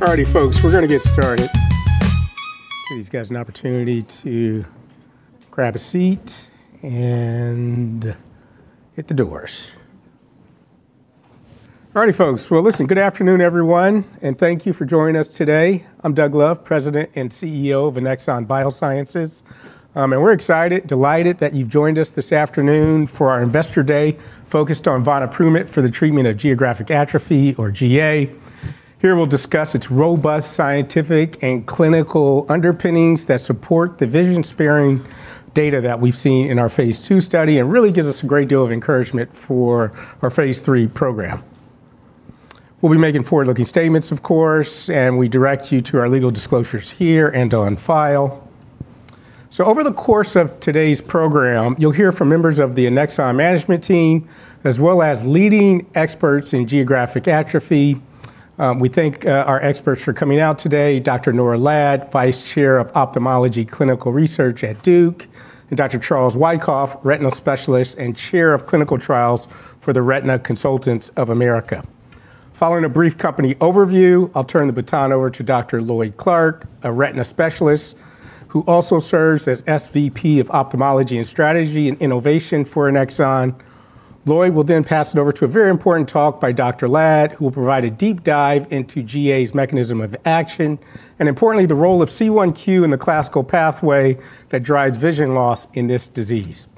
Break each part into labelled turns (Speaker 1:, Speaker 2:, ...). Speaker 1: All righty, folks, we're gonna get started. Give these guys an opportunity to grab a seat and hit the doors. All righty, folks. Well, listen, good afternoon, everyone, and thank you for joining us today. I'm Doug Love, President and CEO of Annexon Biosciences. And we're excited, delighted that you've joined us this afternoon for our Investor Day focused on vonoprument for the treatment of geographic atrophy or GA. Here, we'll discuss its robust scientific and clinical underpinnings that support the vision-sparing data that we've seen in our phase II study, and really gives us a great deal of encouragement for our phase III program. We'll be making forward-looking statements, of course, and we direct you to our legal disclosures here and on file. Over the course of today's program, you'll hear from members of the Annexon management team, as well as leading experts in geographic atrophy. We thank our experts for coming out today. Dr. Nora Lad, Vice Chair of Ophthalmology Clinical Research at Duke, and Dr. Charles Wykoff, retinal specialist and Chair of Clinical Trials for the Retina Consultants of America. Following a brief company overview, I'll turn the baton over to Dr. Lloyd Clark, a retina specialist who also serves as SVP of Ophthalmology and Strategy and Innovation for Annexon. Lloyd will then pass it over to a very important talk by Dr. Lad, who will provide a deep dive into GA's mechanism of action, and importantly, the role of C1q in the classical pathway that drives vision loss in this disease.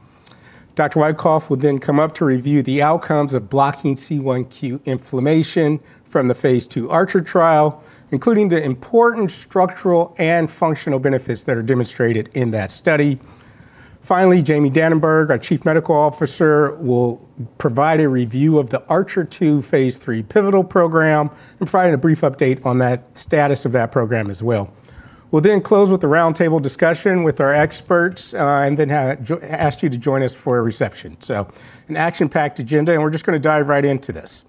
Speaker 1: Dr. Wykoff will then come up to review the outcomes of blocking C1q inflammation from the phase II ARCHER trial, including the important structural and functional benefits that are demonstrated in that study. Finally, Jamie Dananberg, our Chief Medical Officer, will provide a review of the ARCHER II phase III pivotal program and provide a brief update on the status of that program as well. We'll then close with a roundtable discussion with our experts, and then ask you to join us for a reception. An action-packed agenda, and we're just gonna dive right into this.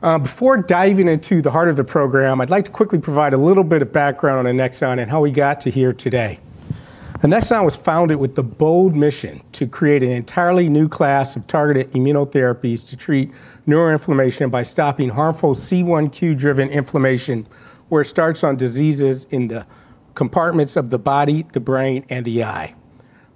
Speaker 1: Before diving into the heart of the program, I'd like to quickly provide a little bit of background on Annexon and how we got to here today. Annexon was founded with the bold mission to create an entirely new class of targeted immunotherapies to treat neuroinflammation by stopping harmful C1q-driven inflammation, where it starts on diseases in the compartments of the body, the brain, and the eye.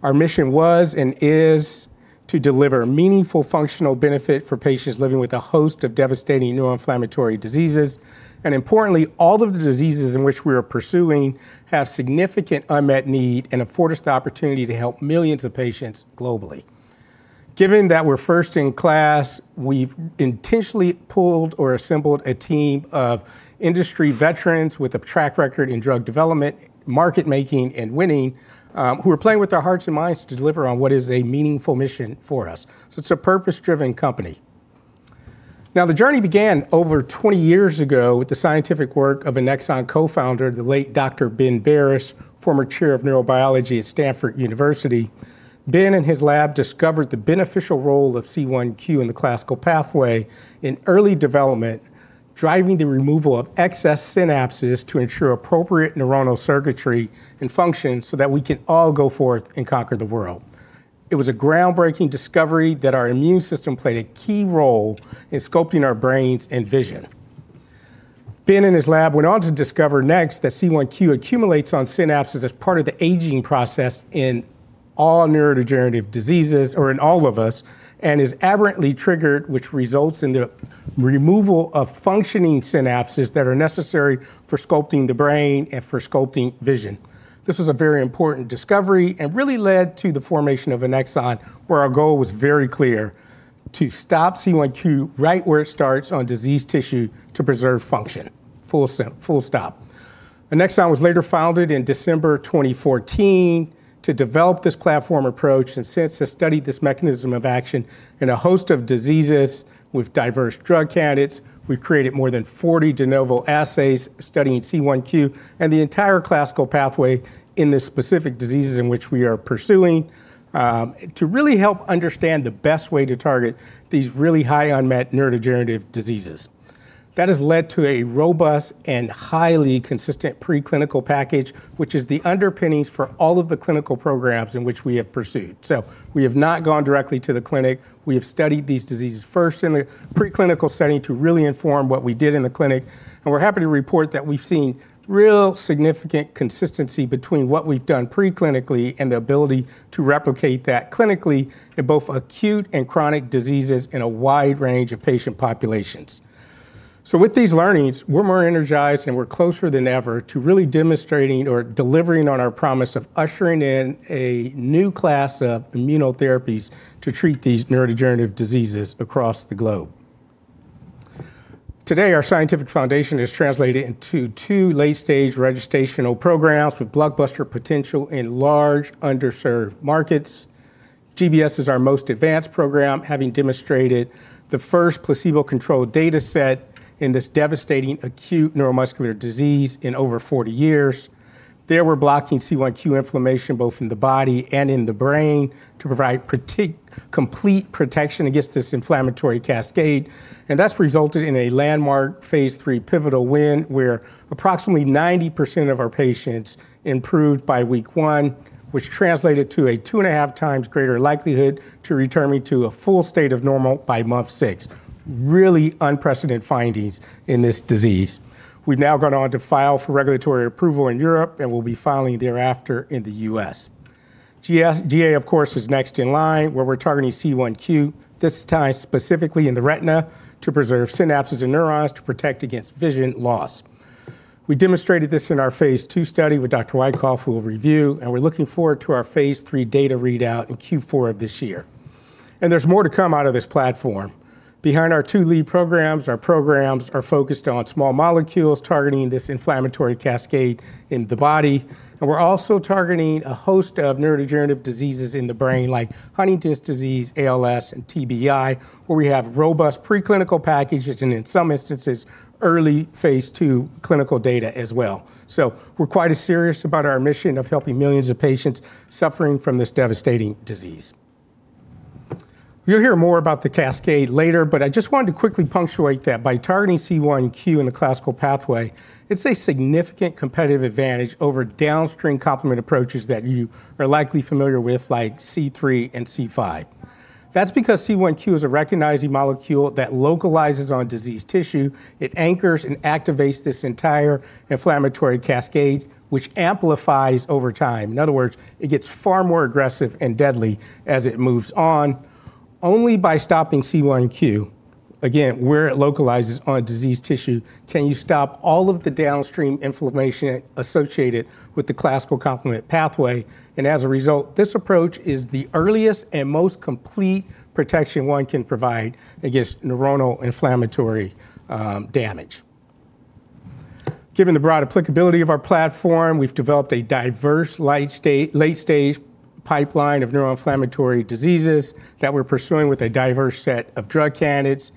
Speaker 1: Our mission was and is to deliver meaningful functional benefit for patients living with a host of devastating neuroinflammatory diseases. Importantly, all of the diseases in which we are pursuing have significant unmet need and afford us the opportunity to help millions of patients globally. Given that we're first-in-class, we've intentionally pooled or assembled a team of industry veterans with a track record in drug development, market making, and winning, who are playing with their hearts and minds to deliver on what is a meaningful mission for us. It's a purpose-driven company. Now, the journey began over 20 years ago with the scientific work of Annexon Co-Founder, the late Dr. Ben Barres, former chair of neurobiology at Stanford University. Ben Barres and his lab discovered the beneficial role of C1q in the classical pathway in early development, driving the removal of excess synapses to ensure appropriate neuronal circuitry and function so that we can all go forth and conquer the world. It was a groundbreaking discovery that our immune system played a key role in sculpting our brains and vision. Ben Barres and his lab went on to discover next that C1q accumulates on synapses as part of the aging process in all neurodegenerative diseases or in all of us, and is aberrantly triggered, which results in the removal of functioning synapses that are necessary for sculpting the brain and for sculpting vision. This was a very important discovery and really led to the formation of Annexon, where our goal was very clear to stop C1q right where it starts on diseased tissue to preserve function. Full stop. Annexon was later founded in December 2014 to develop this platform approach, and since has studied this mechanism of action in a host of diseases with diverse drug candidates. We've created more than 40 de novo assays studying C1q and the entire classical pathway in the specific diseases in which we are pursuing to really help understand the best way to target these really high unmet neurodegenerative diseases. That has led to a robust and highly consistent preclinical package, which is the underpinnings for all of the clinical programs in which we have pursued. We have not gone directly to the clinic. We have studied these diseases first in the preclinical setting to really inform what we did in the clinic, and we're happy to report that we've seen real significant consistency between what we've done preclinically and the ability to replicate that clinically in both acute and chronic diseases in a wide range of patient populations. With these learnings, we're more energized, and we're closer than ever to really demonstrating or delivering on our promise of ushering in a new class of immunotherapies to treat these neurodegenerative diseases across the globe. Today, our scientific foundation is translated into two late-stage registrational programs with blockbuster potential in large underserved markets. GBS is our most advanced program, having demonstrated the first placebo-controlled data set in this devastating acute neuromuscular disease in over 40 years. There, we're blocking C1q inflammation, both in the body and in the brain, to provide complete protection against this inflammatory cascade, and that's resulted in a landmark phase III pivotal win where approximately 90% of our patients improved by week one, which translated to a 2.5 times greater likelihood to returning to a full state of normal by month six. Really unprecedented findings in this disease. We've now gone on to file for regulatory approval in Europe, and we'll be filing thereafter in the U.S. GA of course, is next in line, where we're targeting C1q. This ties specifically in the retina to preserve synapses and neurons to protect against vision loss. We demonstrated this in our phase II study with Dr. Wykoff, who will review, and we're looking forward to our phase III data readout in Q4 of this year. There's more to come out of this platform. Behind our two lead programs, our programs are focused on small molecules targeting this inflammatory cascade in the body, and we're also targeting a host of neurodegenerative diseases in the brain like Huntington's disease, ALS, and TBI, where we have robust preclinical packages and, in some instances, early phase II clinical data as well. We're quite as serious about our mission of helping millions of patients suffering from this devastating disease. You'll hear more about the cascade later, but I just wanted to quickly punctuate that by targeting C1q in the classical pathway, it's a significant competitive advantage over downstream complement approaches that you are likely familiar with, like C3 and C5. That's because C1q is a recognizing molecule that localizes on diseased tissue. It anchors and activates this entire inflammatory cascade, which amplifies over time. In other words, it gets far more aggressive and deadly as it moves on. Only by stopping C1q, again, where it localizes on diseased tissue, can you stop all of the downstream inflammation associated with the classical complement pathway. As a result, this approach is the earliest and most complete protection one can provide against neuroinflammatory damage. Given the broad applicability of our platform, we've developed a diverse late-stage pipeline of neuroinflammatory diseases that we're pursuing with a diverse set of drug candidates.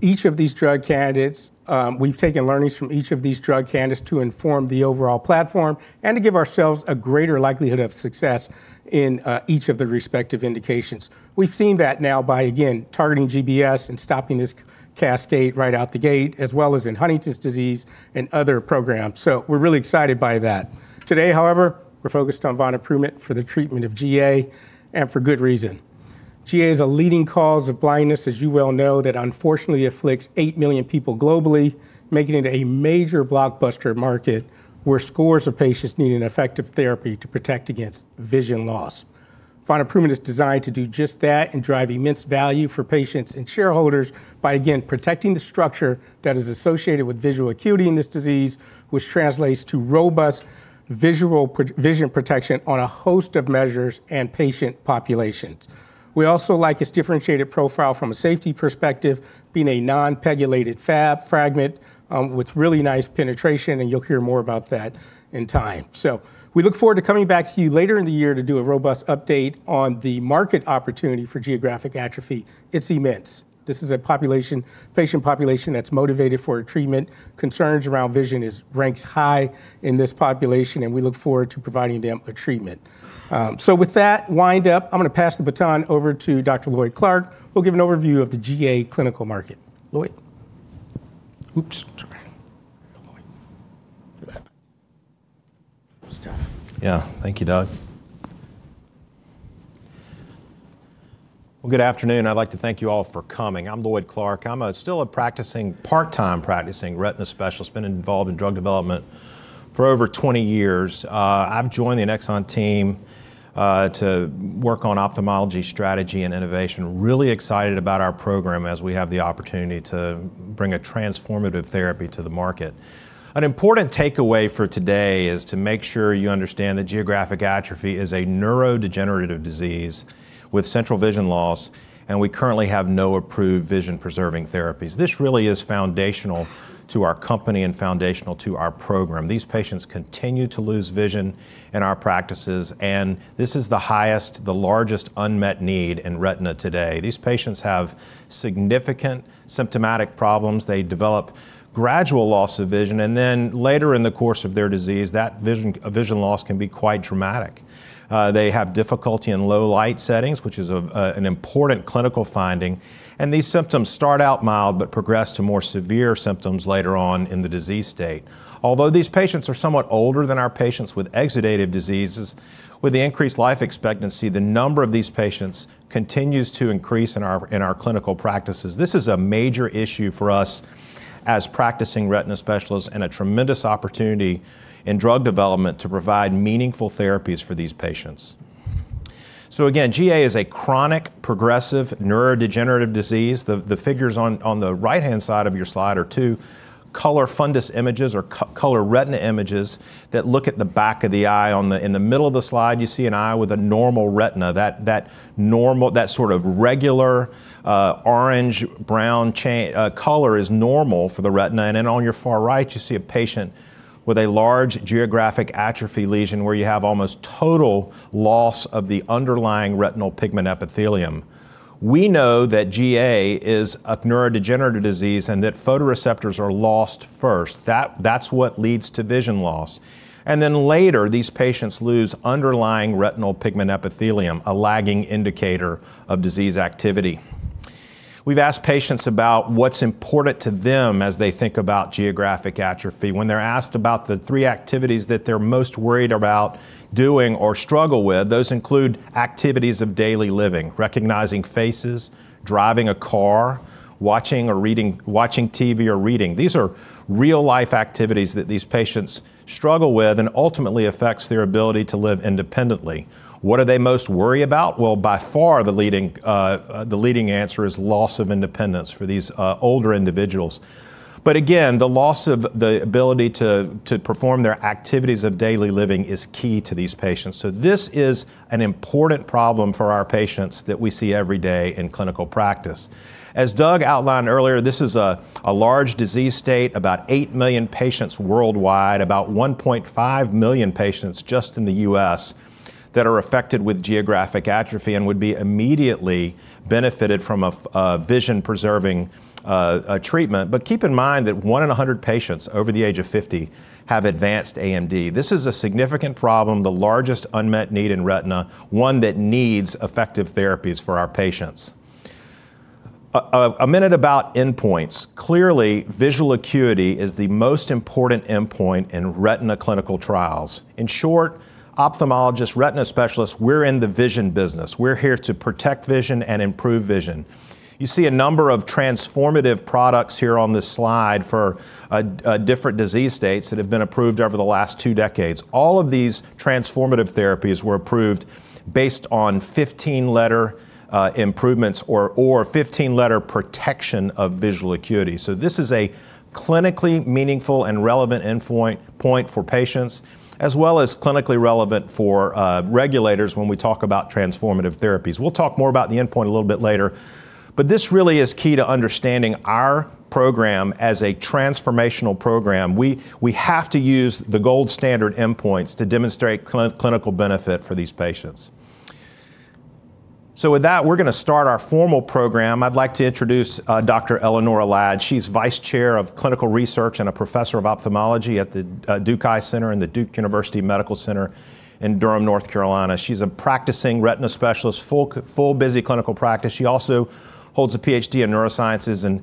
Speaker 1: Each of these drug candidates, we've taken learnings from each of these drug candidates to inform the overall platform and to give ourselves a greater likelihood of success in each of the respective indications. We've seen that now by, again, targeting GBS and stopping this cascade right out the gate, as well as in Huntington's disease and other programs. We're really excited by that. Today, however, we're focused on vonoprument for the treatment of GA and for good reason. GA is a leading cause of blindness, as you well know, that unfortunately afflicts 8 million people globally, making it a major blockbuster market where scores of patients need an effective therapy to protect against vision loss. Vonoprument is designed to do just that and drive immense value for patients and shareholders by, again, protecting the structure that is associated with visual acuity in this disease, which translates to robust vision protection on a host of measures and patient populations. We also like its differentiated profile from a safety perspective, being a non-PEGylated fab fragment, with really nice penetration, and you'll hear more about that in time. We look forward to coming back to you later in the year to do a robust update on the market opportunity for geographic atrophy. It's immense. This is a population, patient population that's motivated for a treatment. Concerns around vision ranks high in this population, and we look forward to providing them a treatment. With that wind up, I'm gonna pass the baton over to Dr. Lloyd Clark, who'll give an overview of the GA clinical market. Lloyd. Oops. Sorry. Lloyd. It happens.
Speaker 2: Yeah. Thank you, Doug. Well, good afternoon. I'd like to thank you all for coming. I'm Lloyd Clark. I'm still a part-time practicing retina specialist, been involved in drug development for over 20 years. I've joined the Annexon team to work on ophthalmology strategy and innovation. Really excited about our program as we have the opportunity to bring a transformative therapy to the market. An important takeaway for today is to make sure you understand that geographic atrophy is a neurodegenerative disease with central vision loss, and we currently have no approved vision-preserving therapies. This really is foundational to our company and foundational to our program. These patients continue to lose vision in our practices, and this is the highest, the largest unmet need in retina today. These patients have significant symptomatic problems. They develop gradual loss of vision, and then later in the course of their disease, that vision loss can be quite dramatic. They have difficulty in low light settings, which is an important clinical finding, and these symptoms start out mild but progress to more severe symptoms later on in the disease state. Although these patients are somewhat older than our patients with exudative diseases, with the increased life expectancy, the number of these patients continues to increase in our clinical practices. This is a major issue for us as practicing retina specialists and a tremendous opportunity in drug development to provide meaningful therapies for these patients. Again, GA is a chronic progressive neurodegenerative disease. The figures on the right-hand side of your slide are two color fundus images or color retina images that look at the back of the eye. In the middle of the slide, you see an eye with a normal retina. That sort of regular orange-brown color is normal for the retina. On your far right, you see a patient with a large geographic atrophy lesion where you have almost total loss of the underlying retinal pigment epithelium. We know that GA is a neurodegenerative disease and that photoreceptors are lost first. That's what leads to vision loss. Later, these patients lose underlying retinal pigment epithelium, a lagging indicator of disease activity. We've asked patients about what's important to them as they think about geographic atrophy. When they're asked about the three activities that they're most worried about doing or struggle with, those include activities of daily living, recognizing faces, driving a car, watching TV or reading. These are real-life activities that these patients struggle with and ultimately affects their ability to live independently. What do they most worry about? Well, by far the leading answer is loss of independence for these older individuals. Again, the loss of the ability to perform their activities of daily living is key to these patients. This is an important problem for our patients that we see every day in clinical practice. As Doug outlined earlier, this is a large disease state, about 8 million patients worldwide, about 1.5 million patients just in the U.S. that are affected with geographic atrophy and would be immediately benefited from a vision-preserving treatment. Keep in mind that one in 100 patients over the age of 50 have advanced AMD. This is a significant problem, the largest unmet need in retina, one that needs effective therapies for our patients. A minute about endpoints. Clearly, visual acuity is the most important endpoint in retina clinical trials. In short, ophthalmologists, retina specialists, we're in the vision business. We're here to protect vision and improve vision. You see a number of transformative products here on this slide for different disease states that have been approved over the last two decades. All of these transformative therapies were approved based on 15-letter improvements or 15-letter protection of visual acuity. This is a clinically meaningful and relevant endpoint for patients, as well as clinically relevant for regulators when we talk about transformative therapies. We'll talk more about the endpoint a little bit later. This really is key to understanding our program as a transformational program. We have to use the gold standard endpoints to demonstrate clinical benefit for these patients. With that, we're gonna start our formal program. I'd like to introduce Dr. Eleonora Lad. She's Vice Chair of Clinical Research and a Professor of Ophthalmology at the Duke Eye Center and the Duke University Medical Center in Durham, North Carolina. She's a practicing retina specialist, full busy clinical practice. She also holds a PhD in neurosciences and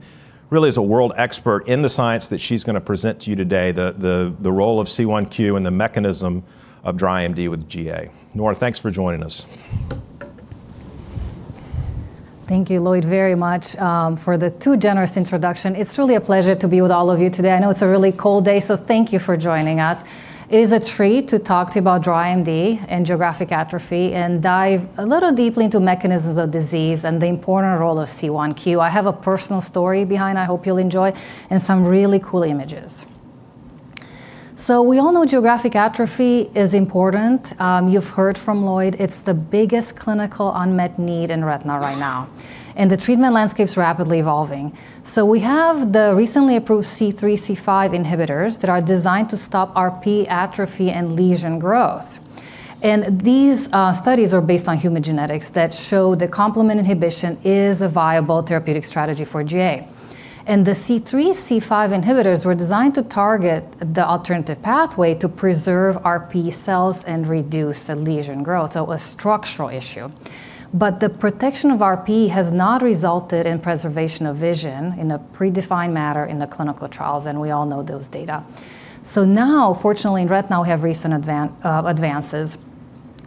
Speaker 2: really is a world expert in the science that she's gonna present to you today, the role of C1q and the mechanism of dry AMD with GA. Nora, thanks for joining us.
Speaker 3: Thank you, Lloyd, very much for the too generous introduction. It's really a pleasure to be with all of you today. I know it's a really cold day, so thank you for joining us. It is a treat to talk to you about dry AMD and geographic atrophy and dive a little deeply into mechanisms of disease and the important role of C1q. I have a personal story behind I hope you'll enjoy and some really cool images. We all know geographic atrophy is important. You've heard from Lloyd, it's the biggest clinical unmet need in retina right now, and the treatment landscape's rapidly evolving. We have the recently approved C3, C5 inhibitors that are designed to stop RPE atrophy and lesion growth. These studies are based on human genetics that show the complement inhibition is a viable therapeutic strategy for GA. The C3, C5 inhibitors were designed to target the alternative pathway to preserve RPE cells and reduce the lesion growth. A structural issue. The protection of RPE has not resulted in preservation of vision in a predefined manner in the clinical trials, and we all know those data. Now, fortunately, in retina, we have recent advances,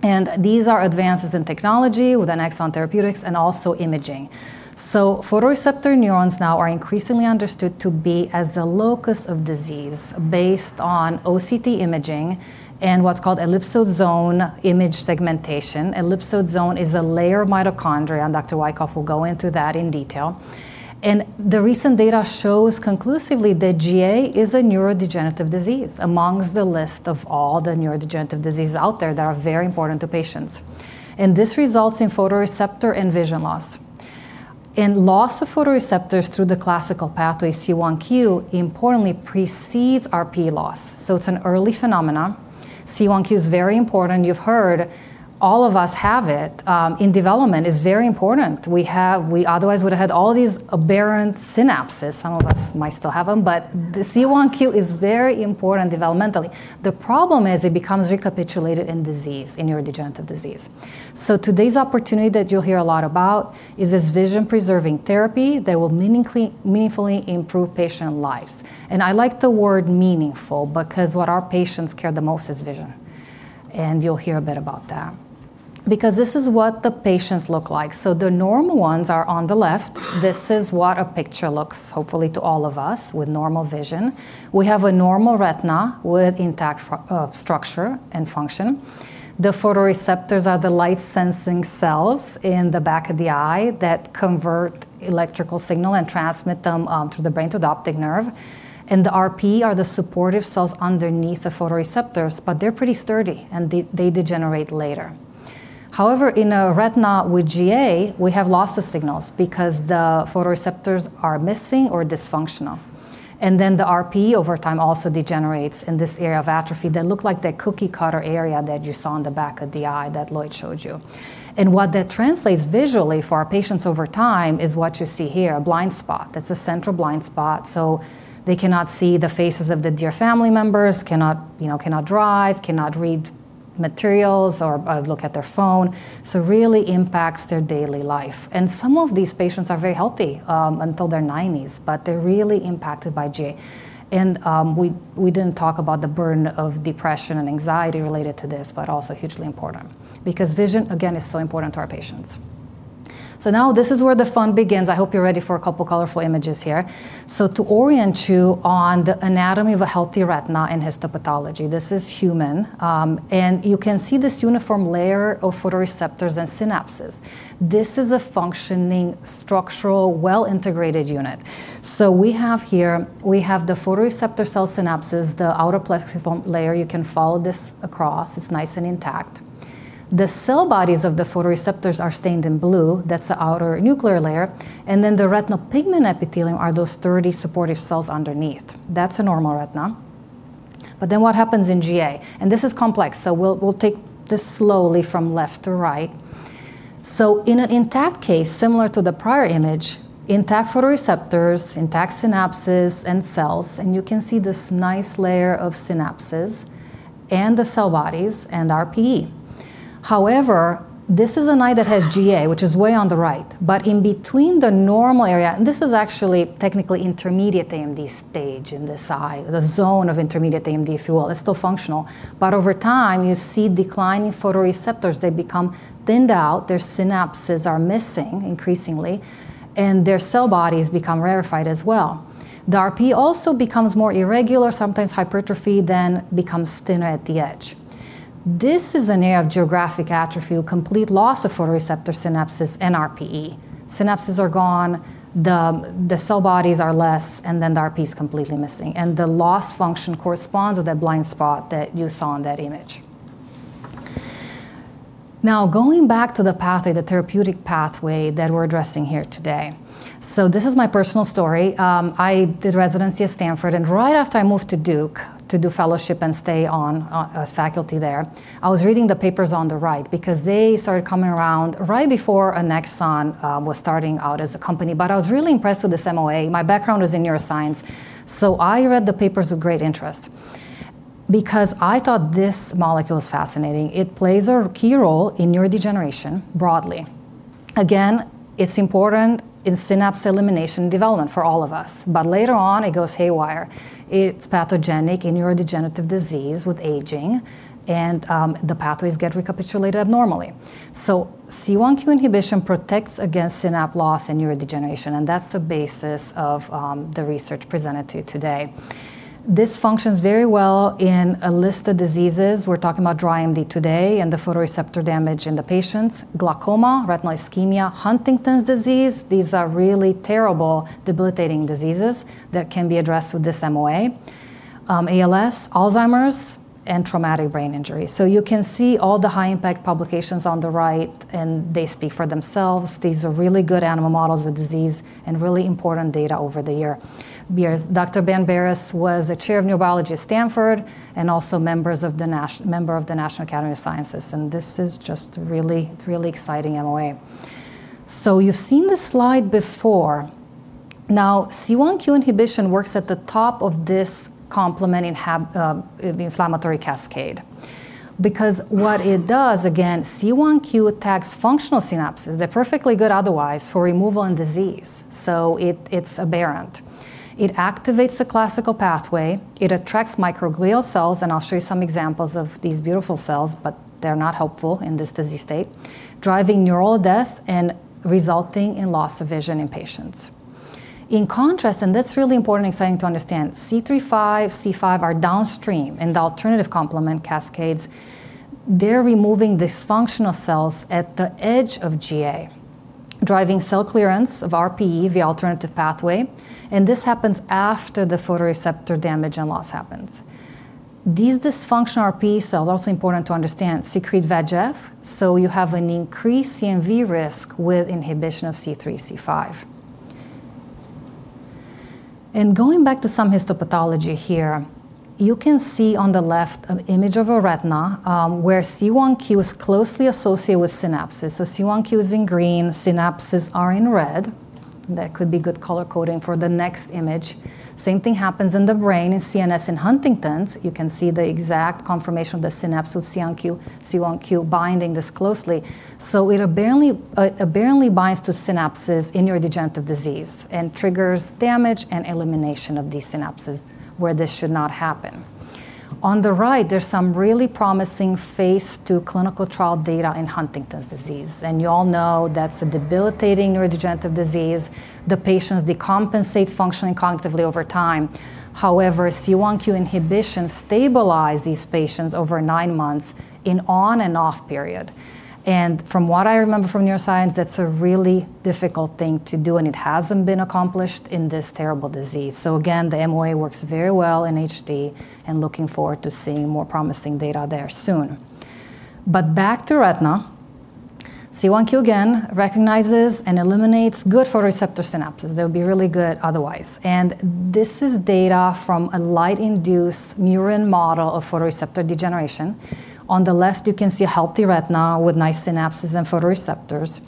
Speaker 3: and these are advances in technology with Annexon therapeutics and also imaging. Photoreceptor neurons now are increasingly understood to be as the locus of disease based on OCT imaging and what's called ellipsoid zone image segmentation. Ellipsoid zone is a layer of mitochondria, and Dr. Wykoff will go into that in detail. The recent data shows conclusively that GA is a neurodegenerative disease amongst the list of all the neurodegenerative diseases out there that are very important to patients. This results in photoreceptor and vision loss. Loss of photoreceptors through the classical pathway C1q importantly precedes RPE loss. It's an early phenomenon. C1q is very important. You've heard all of us have it in development. It's very important. We otherwise would have had all these aberrant synapses. Some of us might still have them, but the C1q is very important developmentally. The problem is it becomes recapitulated in disease, in neurodegenerative disease. Today's opportunity that you'll hear a lot about is this vision-preserving therapy that will meaningfully improve patient lives. I like the word meaningful because what our patients care the most is vision. You'll hear a bit about that. Because this is what the patients look like. The normal ones are on the left. This is what a picture looks like, hopefully to all of us, with normal vision. We have a normal retina with intact structure and function. The photoreceptors are the light-sensing cells in the back of the eye that convert electrical signal and transmit them to the brain, to the optic nerve. The RP are the supportive cells underneath the photoreceptors, but they're pretty sturdy, and they degenerate later. However, in a retina with GA, we have loss of signals because the photoreceptors are missing or dysfunctional. The RP over time also degenerates in this area of atrophy that looks like that cookie cutter area that you saw in the back of the eye that Lloyd showed you. What that translates visually for our patients over time is what you see here, a blind spot. That's a central blind spot. They cannot see the faces of the dear family members, you know, cannot drive, cannot read materials or look at their phone. Really impacts their daily life. Some of these patients are very healthy until their nineties, but they're really impacted by GA. We didn't talk about the burden of depression and anxiety related to this, but also hugely important because vision, again, is so important to our patients. Now this is where the fun begins. I hope you're ready for a couple colorful images here. To orient you on the anatomy of a healthy retina in histopathology, this is human, and you can see this uniform layer of photoreceptors and synapses. This is a functioning structural well-integrated unit. We have here the photoreceptor cell synapses, the outer plexiform layer. You can follow this across. It's nice and intact. The cell bodies of the photoreceptors are stained in blue. That's the outer nuclear layer. The retinal pigment epithelium are those sturdy supportive cells underneath. That's a normal retina. What happens in GA? This is complex, so we'll take this slowly from left to right. In an intact case, similar to the prior image, intact photoreceptors, intact synapses and cells, and you can see this nice layer of synapses and the cell bodies and RPE. This is an eye that has GA, which is way on the right. In between the normal area, and this is actually technically intermediate AMD stage in this eye, the zone of intermediate AMD, if you will. It's still functional, but over time, you see declining photoreceptors. They become thinned out, their synapses are missing increasingly, and their cell bodies become rarefied as well. The RPE also becomes more irregular, sometimes hypertrophy then becomes thinner at the edge. This is an area of geographic atrophy, complete loss of photoreceptor synapses and RPE. Synapses are gone, the cell bodies are less, and then the RPE is completely missing. The loss function corresponds with that blind spot that you saw in that image. Now, going back to the pathway, the therapeutic pathway that we're addressing here today. This is my personal story. I did residency at Stanford, and right after I moved to Duke to do fellowship and stay on as faculty there, I was reading the papers on the right because they started coming around right before Annexon was starting out as a company. I was really impressed with this MOA. My background was in neuroscience, so I read the papers with great interest because I thought this molecule was fascinating. It plays a key role in neurodegeneration broadly. Again, it's important in synapse elimination development for all of us, but later on it goes haywire. It's pathogenic in neurodegenerative disease with aging and the pathways get recapitulated abnormally. C1q inhibition protects against synapse loss and neurodegeneration, and that's the basis of the research presented to you today. This functions very well in a list of diseases. We're talking about dry AMD today and the photoreceptor damage in the patients, glaucoma, retinal ischemia, Huntington's disease. These are really terrible debilitating diseases that can be addressed with this MOA. ALS, Alzheimer's, and traumatic brain injury. You can see all the high impact publications on the right, and they speak for themselves. These are really good animal models of disease and really important data over the year. Dr. Ben Barres was the chair of neurobiology at Stanford, and also a member of the National Academy of Sciences. This is just really, really exciting MOA. You've seen this slide before. Now, C1q inhibition works at the top of this complement inhibition, the inflammatory cascade, because what it does, again, C1q attacks functional synapses. They're perfectly good otherwise for removal in disease, so it's aberrant. It activates the classical pathway. It attracts microglial cells, and I'll show you some examples of these beautiful cells, but they're not helpful in this disease state, driving neural death and resulting in loss of vision in patients. In contrast, and that's really important and exciting to understand, C3, C5 are downstream in the alternative complement cascades. They're removing dysfunctional cells at the edge of GA, driving cell clearance of RPE, the alternative pathway, and this happens after the photoreceptor damage and loss happens. These dysfunctional RPE cells, also important to understand, secrete VEGF, so you have an increased CNV risk with inhibition of C3, C5. Going back to some histopathology here, you can see on the left an image of a retina, where C1q is closely associated with synapses. C1q is in green, synapses are in red. That could be good color coding for the next image. Same thing happens in the brain, in CNS in Huntington's. You can see the exact confirmation of the synapse with C1q binding this closely. It apparently binds to synapses in neurodegenerative disease and triggers damage and elimination of these synapses where this should not happen. On the right, there's some really promising phase II clinical trial data in Huntington's disease, and you all know that's a debilitating neurodegenerative disease. The patients decompensate functionally and cognitively over time. However, C1q inhibition stabilize these patients over nine months in on and off period. From what I remember from neuroscience, that's a really difficult thing to do, and it hasn't been accomplished in this terrible disease. Again, the MOA works very well in HD and looking forward to seeing more promising data there soon. Back to retina. C1q again recognizes and eliminates good photoreceptor synapses. They would be really good otherwise. This is data from a light-induced murine model of photoreceptor degeneration. On the left, you can see a healthy retina with nice synapses and photoreceptors.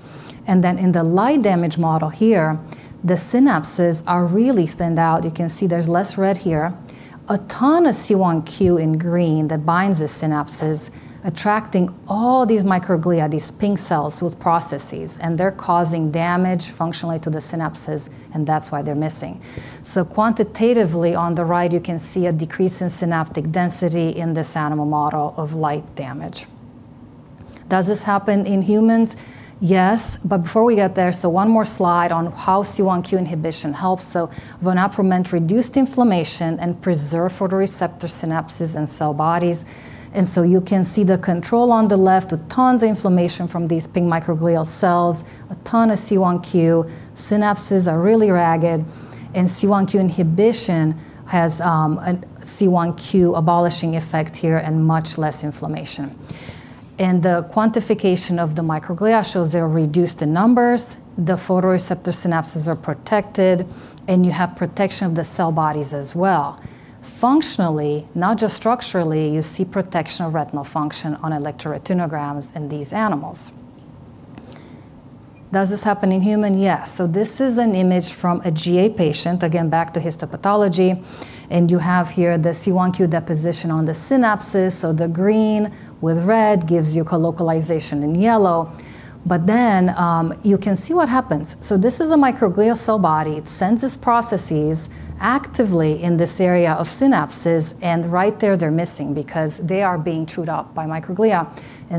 Speaker 3: Then in the light damage model here, the synapses are really thinned out. You can see there's less red here. A ton of C1q in green that binds the synapses, attracting all these microglia, these pink cells with processes, and they're causing damage functionally to the synapses, and that's why they're missing. Quantitatively on the right, you can see a decrease in synaptic density in this animal model of light damage. Does this happen in humans? Yes. Before we get there, so one more slide on how C1q inhibition helps. Vonaprument reduced inflammation and preserved photoreceptor synapses and cell bodies. You can see the control on the left with tons of inflammation from these pink microglial cells, a ton of C1q, synapses are really ragged, and C1q inhibition has a C1q abolishing effect here and much less inflammation. The quantification of the microglia shows they're reduced in numbers, the photoreceptor synapses are protected, and you have protection of the cell bodies as well. Functionally, not just structurally, you see protection of retinal function on electroretinograms in these animals. Does this happen in human? Yes. This is an image from a GA patient, again, back to histopathology, and you have here the C1q deposition on the synapses. The green with red gives you colocalization in yellow. You can see what happens. This is a microglial cell body. It sends its processes actively in this area of synapses, and right there they're missing because they are being chewed up by microglia.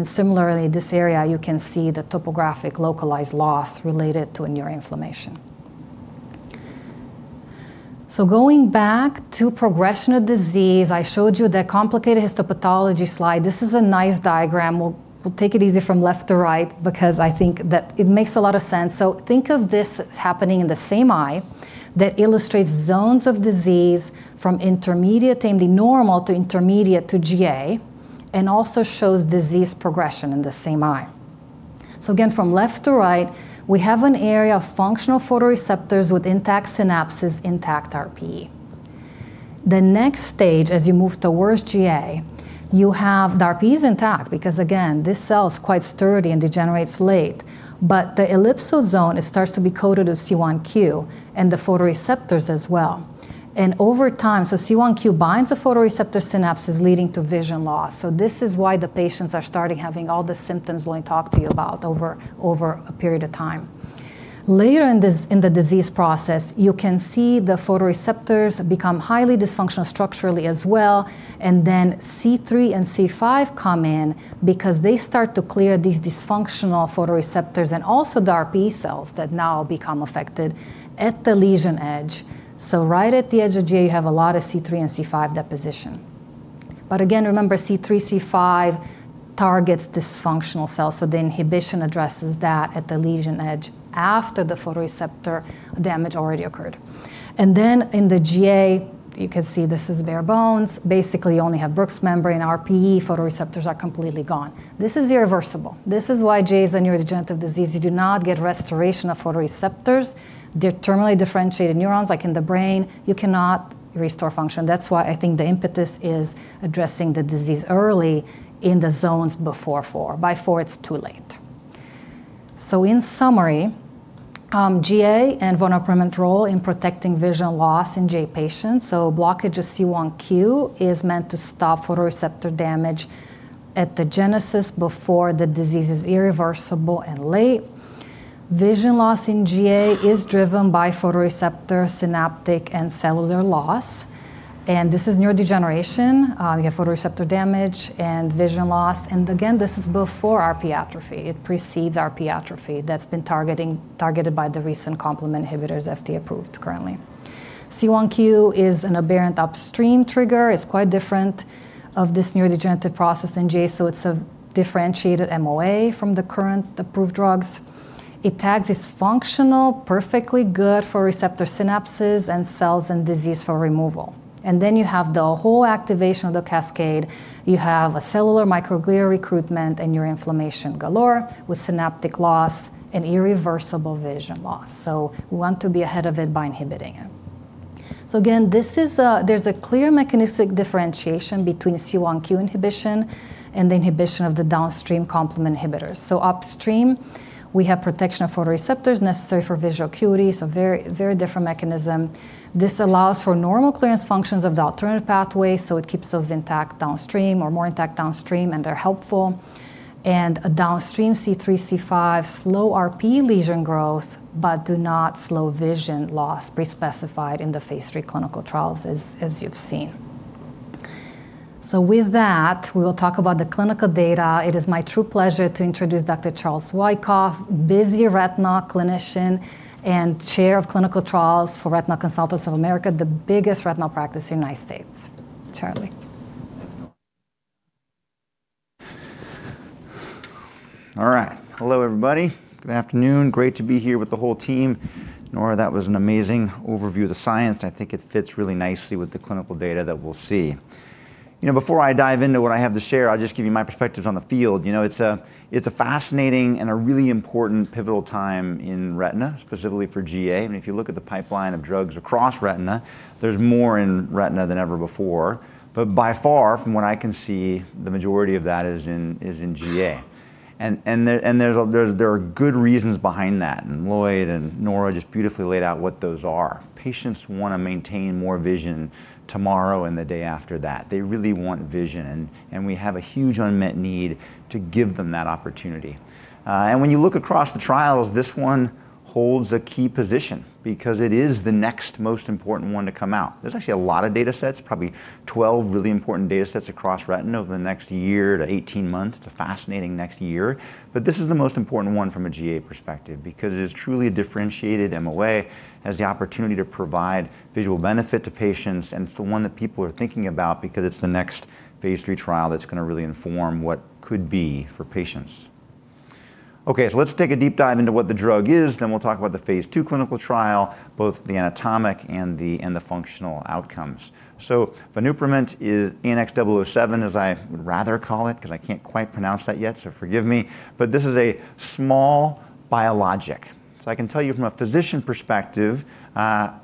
Speaker 3: Similarly, this area, you can see the topographic localized loss related to a neuroinflammation. Going back to progression of disease, I showed you the complicated histopathology slide. This is a nice diagram. We'll take it easy from left to right because I think that it makes a lot of sense. Think of this as happening in the same eye that illustrates zones of disease from intermediate, namely normal to intermediate to GA, and also shows disease progression in the same eye. Again, from left to right, we have an area of functional photoreceptors with intact synapses, intact RPE. The next stage, as you move towards GA, you have the RPE is intact because, again, this cell is quite sturdy and degenerates late. But the ellipsoid zone, it starts to be coated with C1q and the photoreceptors as well. Over time, C1q binds the photoreceptor synapses leading to vision loss. This is why the patients are starting having all the symptoms Lloyd talked to you about over a period of time. Later in this, in the disease process, you can see the photoreceptors become highly dysfunctional structurally as well, and then C3 and C5 come in because they start to clear these dysfunctional photoreceptors and also the RPE cells that now become affected at the lesion edge. Right at the edge of GA, you have a lot of C3 and C5 deposition. Again, remember, C3, C5 targets dysfunctional cells, so the inhibition addresses that at the lesion edge after the photoreceptor damage already occurred. Then in the GA, you can see this is bare bones. Basically, you only have Bruch's membrane, RPE, photoreceptors are completely gone. This is irreversible. This is why GA is a neurodegenerative disease. You do not get restoration of photoreceptors. They're terminally differentiated neurons like in the brain. You cannot restore function. That's why I think the impetus is addressing the disease early in the zones before four. By four, it's too late. In summary, GA and vonaprument's role in protecting vision loss in GA patients. Blockage of C1q is meant to stop photoreceptor damage at the genesis before the disease is irreversible and late. Vision loss in GA is driven by photoreceptor synaptic and cellular loss. This is neurodegeneration. You have photoreceptor damage and vision loss. Again, this is before RPE atrophy. It precedes RPE atrophy targeted by the recent complement inhibitors FDA-approved currently. C1q is an aberrant upstream trigger. It's quite different from this neurodegenerative process in GA, so it's a differentiated MOA from the current approved drugs. It tags this functional, perfectly good photoreceptor synapses and cells and dooms them for removal. You have the whole activation of the cascade. You have a cellular microglial recruitment and neuroinflammation galore with synaptic loss and irreversible vision loss. We want to be ahead of it by inhibiting it. Again, this is, there's a clear mechanistic differentiation between C1q inhibition and the inhibition of the downstream complement inhibitors. Upstream, we have protection of photoreceptors necessary for visual acuity, so very, very different mechanism. This allows for normal clearance functions of the alternative pathway, so it keeps those intact downstream or more intact downstream, and they're helpful. A downstream C3, C5 slow RPE lesion growth but do not slow vision loss pre-specified in the phase III clinical trials as you've seen. With that, we will talk about the clinical data. It is my true pleasure to introduce Dr. Charles Wykoff, busy retina clinician and Chair of Clinical Trials for Retina Consultants of America, the biggest retinal practice in the United States. Charlie.
Speaker 4: Thanks, Nora. All right. Hello, everybody. Good afternoon. Great to be here with the whole team. Nora, that was an amazing overview of the science, and I think it fits really nicely with the clinical data that we'll see. You know, before I dive into what I have to share, I'll just give you my perspectives on the field. You know, it's a fascinating and a really important pivotal time in retina, specifically for GA. I mean, if you look at the pipeline of drugs across retina, there's more in retina than ever before. But by far, from what I can see, the majority of that is in GA. There are good reasons behind that, and Lloyd and Nora just beautifully laid out what those are. Patients wanna maintain more vision tomorrow and the day after that. They really want vision, and we have a huge unmet need to give them that opportunity. When you look across the trials, this one holds a key position because it is the next most important one to come out. There's actually a lot of datasets, probably 12 really important datasets across retina over the next year to 18 months. It's a fascinating next year. This is the most important one from a GA perspective because it is truly a differentiated MOA, has the opportunity to provide visual benefit to patients, and it's the one that people are thinking about because it's the next phase III trial that's gonna really inform what could be for patients. Okay. Let's take a deep dive into what the drug is, then we'll talk about the phase II clinical trial, both the anatomic and the functional outcomes. Vonaprument is ANX007 as I would rather call it because I can't quite pronounce that yet, so forgive me. This is a small biologic. I can tell you from a physician perspective,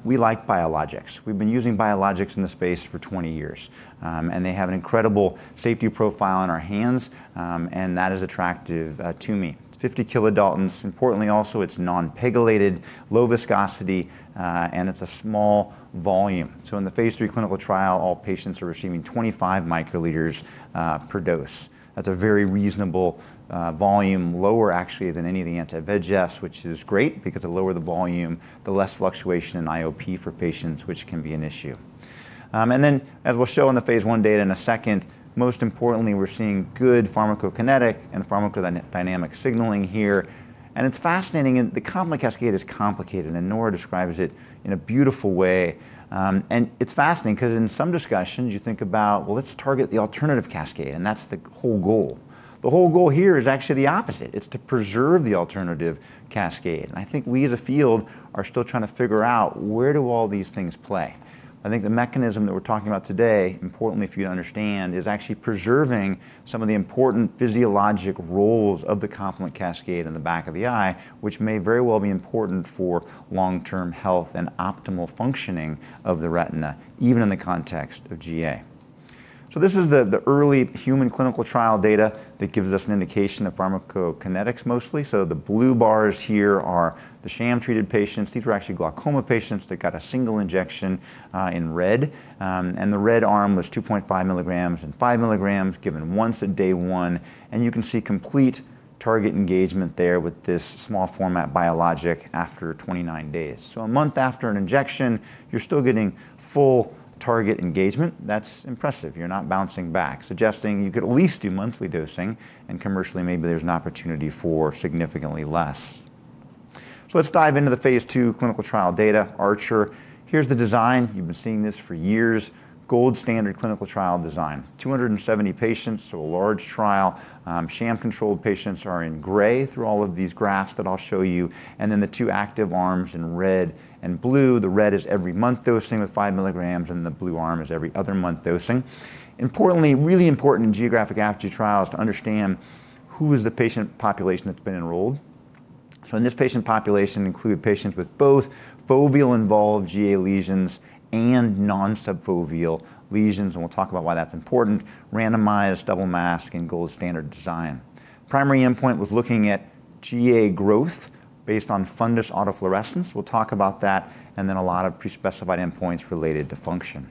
Speaker 4: we like biologics. We've been using biologics in this space for 20 years. They have an incredible safety profile in our hands, and that is attractive to me. 50 kilodaltons. Importantly also, it's non-PEGylated, low viscosity, and it's a small volume. In the phase III clinical trial, all patients are receiving 25 microliters per dose. That's a very reasonable volume, lower actually than any of the anti-VEGFs, which is great because the lower the volume, the less fluctuation in IOP for patients, which can be an issue. As we'll show in the phase I data in a second, most importantly, we're seeing good pharmacokinetic and pharmacodynamic signaling here. It's fascinating and the complement cascade is complicated, and Nora describes it in a beautiful way. It's fascinating because in some discussions you think about, well, let's target the alternative cascade, and that's the whole goal. The whole goal here is actually the opposite. It's to preserve the alternative cascade. I think we as a field are still trying to figure out where do all these things play. I think the mechanism that we're talking about today, importantly if you understand, is actually preserving some of the important physiologic roles of the complement cascade in the back of the eye, which may very well be important for long-term health and optimal functioning of the retina, even in the context of GA. This is the early human clinical trial data that gives us an indication of pharmacokinetics mostly. The blue bars here are the sham-treated patients. These were actually glaucoma patients that got a single injection in red. The red arm was 2.5 milligrams and 5 milligrams given once at day one. You can see complete target engagement there with this small format biologic after 29 days. A month after an injection, you're still getting full target engagement. That's impressive. You're not bouncing back, suggesting you could at least do monthly dosing, and commercially, maybe there's an opportunity for significantly less. Let's dive into the phase II clinical trial data, ARCHER. Here's the design. You've been seeing this for years. Gold standard clinical trial design. 270 patients, so a large trial. Sham-controlled patients are in gray through all of these graphs that I'll show you, and then the two active arms in red and blue. The red is every month dosing with 5 milligrams, and the blue arm is every other month dosing. Importantly, really important in geographic atrophy trials to understand who is the patient population that's been enrolled. In this patient population include patients with both foveal involved GA lesions and non-subfoveal lesions, and we'll talk about why that's important. Randomized, double mask, and gold standard design. Primary endpoint was looking at GA growth based on fundus autofluorescence. We'll talk about that, and then a lot of pre-specified endpoints related to function.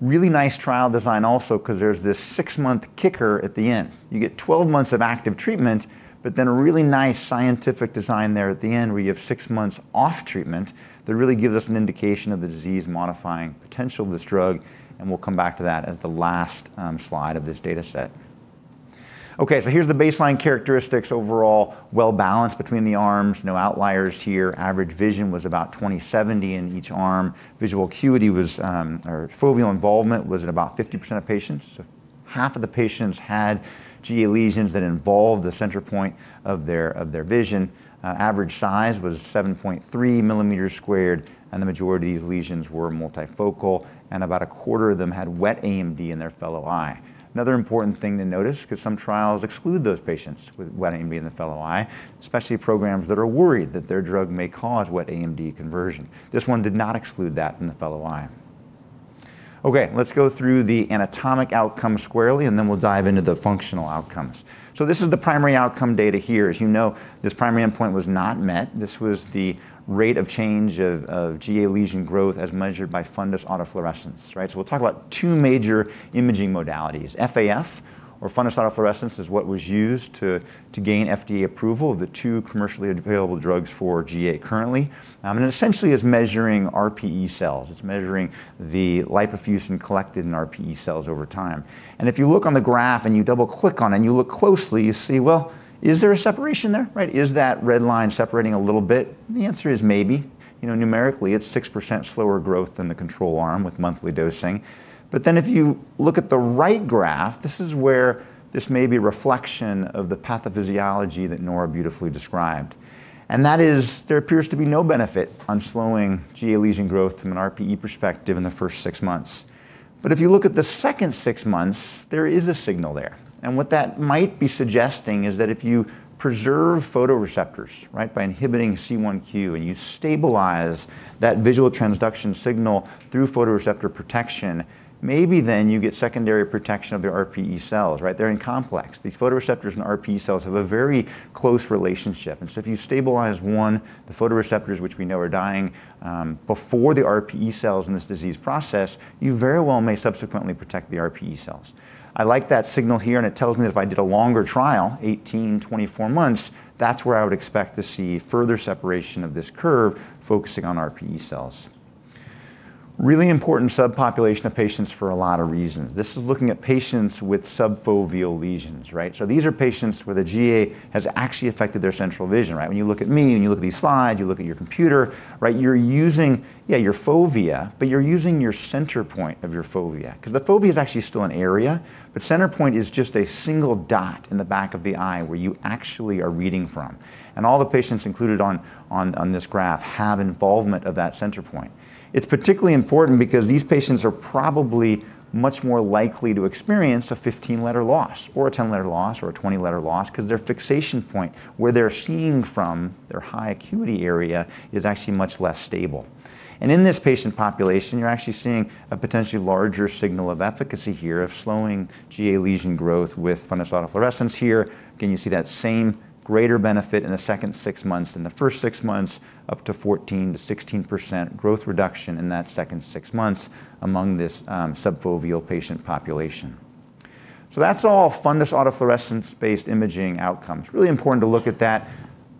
Speaker 4: Really nice trial design also because there's this six-month kicker at the end. You get 12 months of active treatment, but then a really nice scientific design there at the end where you have six months off treatment that really gives us an indication of the disease-modifying potential of this drug, and we'll come back to that as the last slide of this dataset. Okay, so here's the baseline characteristics overall. Well-balanced between the arms. No outliers here. Average vision was about 20/70 in each arm. Visual acuity was, or foveal involvement was at about 50% of patients. So half of the patients had GA lesions that involved the center point of their vision. Average size was 7.3 mm², and the majority of these lesions were multifocal, and about a quarter of them had wet AMD in their fellow eye. Another important thing to notice, because some trials exclude those patients with wet AMD in the fellow eye, especially programs that are worried that their drug may cause wet AMD conversion. This one did not exclude that in the fellow eye. Okay, let's go through the anatomic outcome squarely, and then we'll dive into the functional outcomes. This is the primary outcome data here. As you know, this primary endpoint was not met. This was the rate of change of GA lesion growth as measured by fundus autofluorescence, right? We'll talk about two major imaging modalities. FAF, or fundus autofluorescence, is what was used to gain FDA approval of the two commercially available drugs for GA currently. Essentially it's measuring RPE cells. It's measuring the lipofuscin collected in RPE cells over time. If you look on the graph and you double-click on it and you look closely, you see, well, is there a separation there, right? Is that red line separating a little bit? The answer is maybe. You know, numerically, it's 6% slower growth than the control arm with monthly dosing. Then if you look at the right graph, this is where this may be reflection of the pathophysiology that Nora beautifully described. That is, there appears to be no benefit on slowing GA lesion growth from an RPE perspective in the first six months. If you look at the second six months, there is a signal there. What that might be suggesting is that if you preserve photoreceptors, right, by inhibiting C1q, and you stabilize that visual transduction signal through photoreceptor protection, maybe then you get secondary protection of the RPE cells, right? They're in complex. These photoreceptors and RPE cells have a very close relationship. If you stabilize one, the photoreceptors, which we know are dying before the RPE cells in this disease process, you very well may subsequently protect the RPE cells. I like that signal here, and it tells me if I did a longer trial, 18, 24 months, that's where I would expect to see further separation of this curve focusing on RPE cells. Really important subpopulation of patients for a lot of reasons. This is looking at patients with subfoveal lesions, right? These are patients where the GA has actually affected their central vision, right? When you look at me and you look at these slides, you look at your computer, right, you're using, yeah, your fovea, but you're using your center point of your fovea because the fovea is actually still an area, but center point is just a single dot in the back of the eye where you actually are reading from. All the patients included on this graph have involvement of that center point. It's particularly important because these patients are probably much more likely to experience a 15-letter loss or a 10-letter loss or a 20-letter loss because their fixation point where they're seeing from their high acuity area is actually much less stable. In this patient population, you're actually seeing a potentially larger signal of efficacy here of slowing GA lesion growth with fundus autofluorescence here. Again, you see that same greater benefit in the second six months than the first six months, up to 14%-16% growth reduction in that second six months among this subfoveal patient population. That's all fundus autofluorescence-based imaging outcomes. Really important to look at that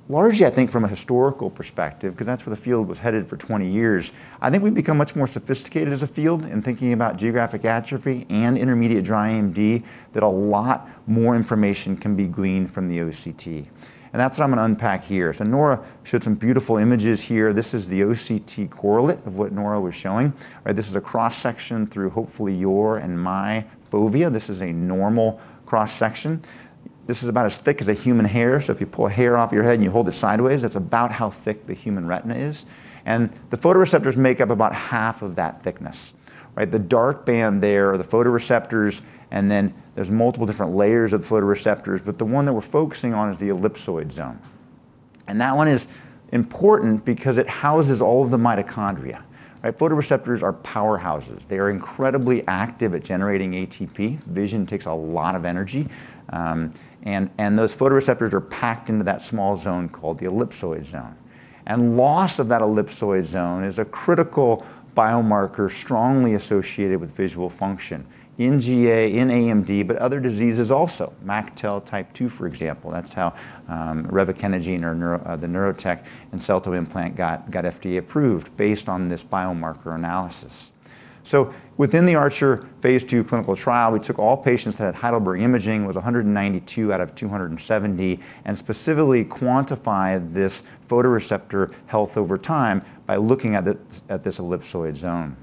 Speaker 4: largely, I think, from a historical perspective because that's where the field was headed for 20 years. I think we've become much more sophisticated as a field in thinking about geographic atrophy and intermediate dry AMD that a lot more information can be gleaned from the OCT. That's what I'm going to unpack here. Nora showed some beautiful images here. This is the OCT correlate of what Nora was showing, right? This is a cross-section through hopefully your and my fovea. This is a normal cross-section. This is about as thick as a human hair. If you pull a hair off your head and you hold it sideways, that's about how thick the human retina is. The photoreceptors make up about half of that thickness, right? The dark band there are the photoreceptors, and then there's multiple different layers of the photoreceptors, but the one that we're focusing on is the ellipsoid zone. That one is important because it houses all of the mitochondria, right? Photoreceptors are powerhouses. They are incredibly active at generating ATP. Vision takes a lot of energy, and those photoreceptors are packed into that small zone called the ellipsoid zone. Loss of that ellipsoid zone is a critical biomarker strongly associated with visual function in GA, in AMD, but other diseases also. MacTel type 2, for example. That's how revakinagene taroretcel-lwey, the Neurotech ENCELTO implant got FDA approved based on this biomarker analysis. Within the ARCHER phase II clinical trial, we took all patients that had Heidelberg imaging. It was 192 out of 270, and specifically quantified this photoreceptor health over time by looking at this ellipsoid zone.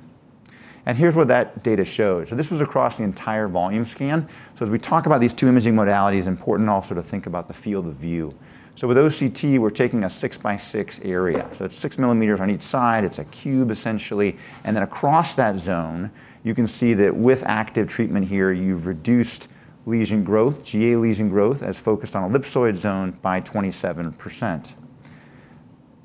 Speaker 4: Here's what that data shows. This was across the entire volume scan. As we talk about these two imaging modalities, important also to think about the field of view. With OCT, we're taking a 6x6 area. It's 6 mm on each side. It's a cube, essentially. Across that zone, you can see that with active treatment here, you've reduced lesion growth, GA lesion growth as focused on ellipsoid zone by 27%.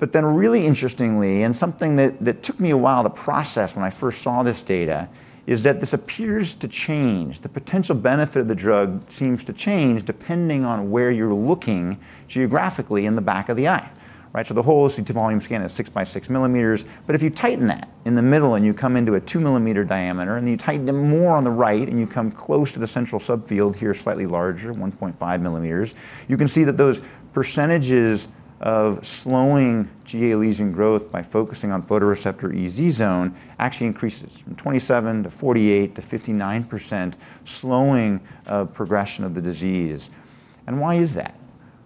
Speaker 4: Really interestingly, and something that took me a while to process when I first saw this data, is that this appears to change. The potential benefit of the drug seems to change depending on where you're looking geographically in the back of the eye, right? The whole volume scan is 6x6 mm. If you tighten that in the middle and you come into a 2-mm diameter, and you tighten it more on the right and you come close to the central subfield here, slightly larger, 1.5 mm, you can see that those percentages of slowing GA lesion growth by focusing on photoreceptor EZ zone actually increases from 27% to 48% to 59% slowing of progression of the disease. Why is that?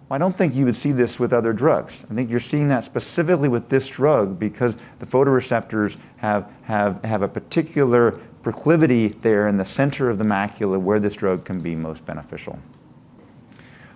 Speaker 4: Well, I don't think you would see this with other drugs. I think you're seeing that specifically with this drug because the photoreceptors have a particular proclivity there in the center of the macula where this drug can be most beneficial.